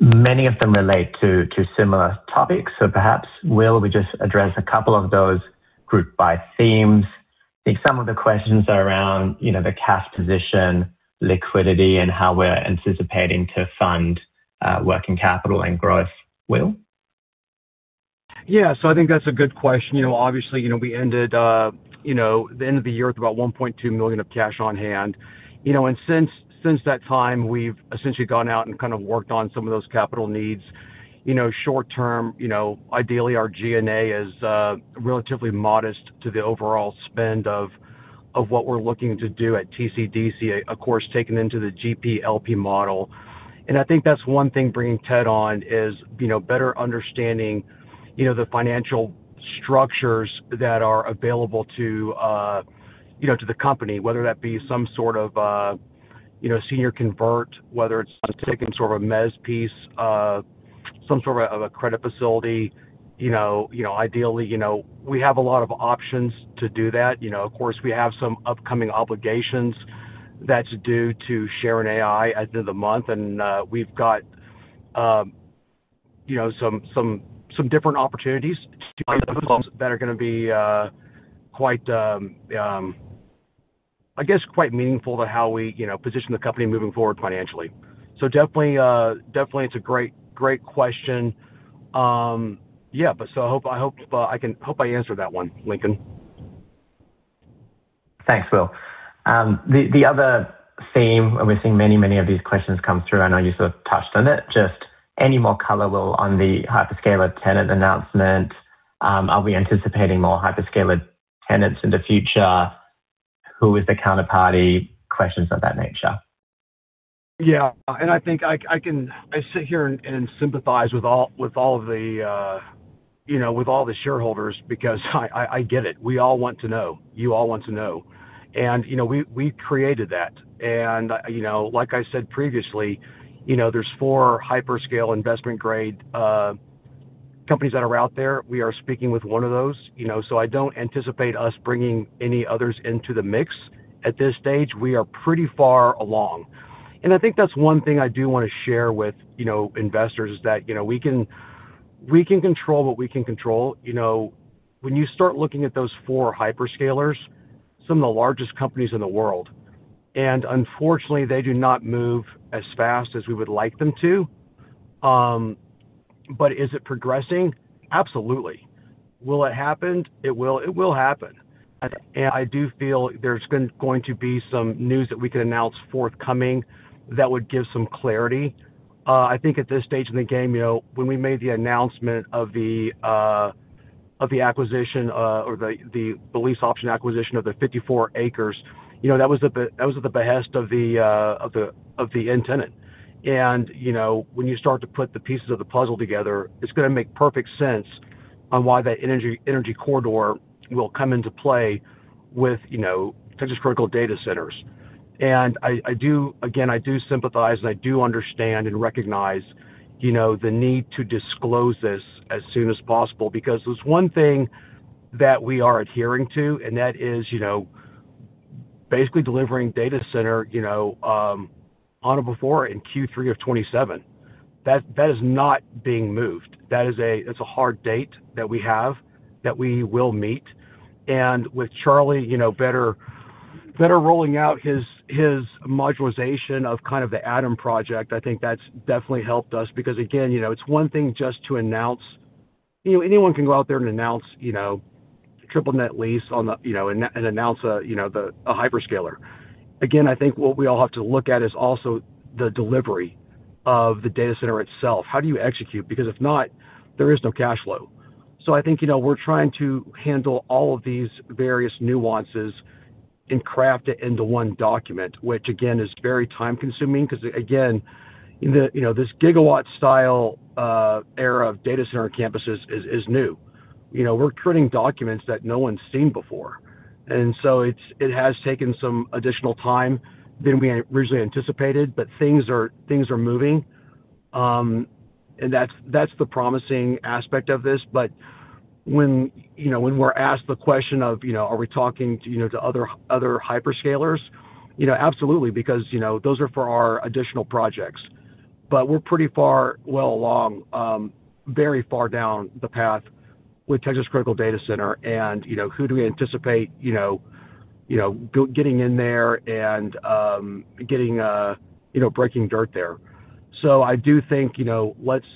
Many of them relate to similar topics. Perhaps, Will, we just address a couple of those grouped by themes. I think some of the questions are around, you know, the cash position, liquidity, and how we're anticipating to fund working capital and growth, Will. Yeah. I think that's a good question. You know, obviously, you know, we ended, you know, the end of the year with about $1.2 million of cash on hand. You know, and since that time, we've essentially gone out and kind of worked on some of those capital needs. You know, short term, you know, ideally our G&A is relatively modest to the overall spend of what we're looking to do at TCDC, of course, taking into the GP-LP model. I think that's one thing bringing Ted on is, you know, better understanding, you know, the financial structures that are available to, you know, to the company, whether that be some sort of, you know, senior convertible, whether it's taking sort of a mezz piece, some sort of a credit facility, you know. You know, ideally, you know, we have a lot of options to do that. You know, of course, we have some upcoming obligations that's due to Sharon AI at the end of the month. We've got, you know, some different opportunities that are gonna be quite, I guess, quite meaningful to how we, you know, position the company moving forward financially. Definitely it's a great question. Yeah. I hope I answered that one, Lincoln. Thanks, Will. The other theme, and we've seen many of these questions come through, I know you sort of touched on it, just any more color, Will, on the hyperscaler tenant announcement. Are we anticipating more hyperscaler tenants in the future? Who is the counterparty? Questions of that nature. Yeah. I think I can sit here and sympathize with all the shareholders because I get it. We all want to know. You all want to know. You know, we created that. You know, like I said previously, you know, there's four hyperscale investment grade companies that are out there. We are speaking with one of those, you know. So I don't anticipate us bringing any others into the mix at this stage. We are pretty far along. I think that's one thing I do wanna share with investors is that, you know, we can control what we can control. You know, when you start looking at those four hyperscalers, some of the largest companies in the world, and unfortunately, they do not move as fast as we would like them to. But is it progressing? Absolutely. Will it happen? It will happen. I do feel there's going to be some news that we can announce forthcoming that would give some clarity. I think at this stage in the game, you know, when we made the announcement of the acquisition or the lease option acquisition of the 54 acres, you know, that was at the behest of the end tenant. You know, when you start to put the pieces of the puzzle together, it's gonna make perfect sense on why that energy corridor will come into play with, you know, Texas Critical Data Centers. I do again, I do sympathize, and I do understand and recognize, you know, the need to disclose this as soon as possible, because there's one thing that we are adhering to, and that is, you know, basically delivering data center, you know, on or before in Q3 of 2027. That is not being moved. That is a hard date that we have that we will meet. With Charlie, you know, better rolling out his modularization of kind of the ATOM project, I think that's definitely helped us because again, you know, it's one thing just to announce. You know, anyone can go out there and announce, you know, triple net lease on the, you know, and announce a, you know, the, a hyperscaler. Again, I think what we all have to look at is also the delivery of the data center itself. How do you execute? Because if not, there is no cash flow. I think, you know, we're trying to handle all of these various nuances and craft it into one document, which again, is very time-consuming because again, the, you know, this gigawatt style era of data center campuses is new. You know, we're creating documents that no one's seen before. It's, it has taken some additional time than we originally anticipated, but things are moving. That's the promising aspect of this. When we're asked the question of, you know, are we talking to, you know, to other hyperscalers, you know, absolutely, because, you know, those are for our additional projects. We're pretty far well along, very far down the path with Texas Critical Data Centers and, you know, who do we anticipate, you know, getting in there and getting breaking dirt there. I do think, you know, let's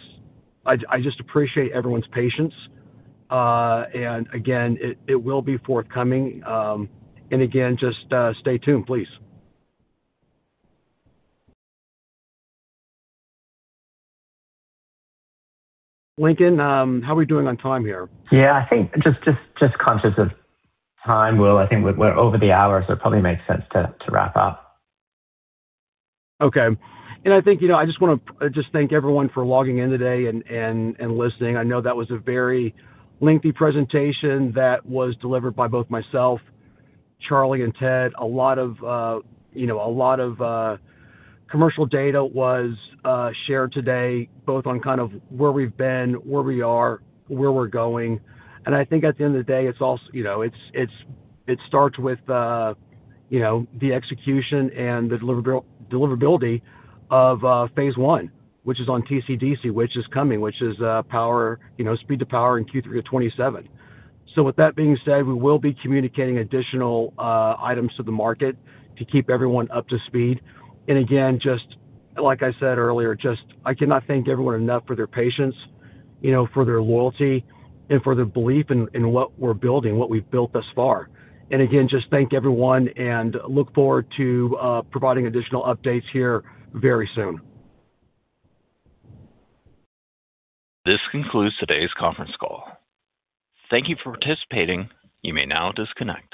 I just appreciate everyone's patience. And again, it will be forthcoming. And again, just stay tuned, please. Lincoln, how are we doing on time here? Yeah, I think just conscious of time, Will. I think we're over the hour, so it probably makes sense to wrap up. Okay. I think, you know, I just wanna thank everyone for logging in today and listening. I know that was a very lengthy presentation that was delivered by both myself, Charlie, and Ted. A lot of, you know, commercial data was shared today, both on kind of where we've been, where we are, where we're going. I think at the end of the day, you know, it starts with, you know, the execution and the deliverability of phase I, which is on TCDC, which is coming, power, you know, speed to power in Q3 of 2027. With that being said, we will be communicating additional items to the market to keep everyone up to speed. Again, just like I said earlier, I cannot thank everyone enough for their patience, you know, for their loyalty and for their belief in what we're building, what we've built thus far. Again, just thank everyone and look forward to providing additional updates here very soon. This concludes today's conference call. Thank you for participating. You may now disconnect.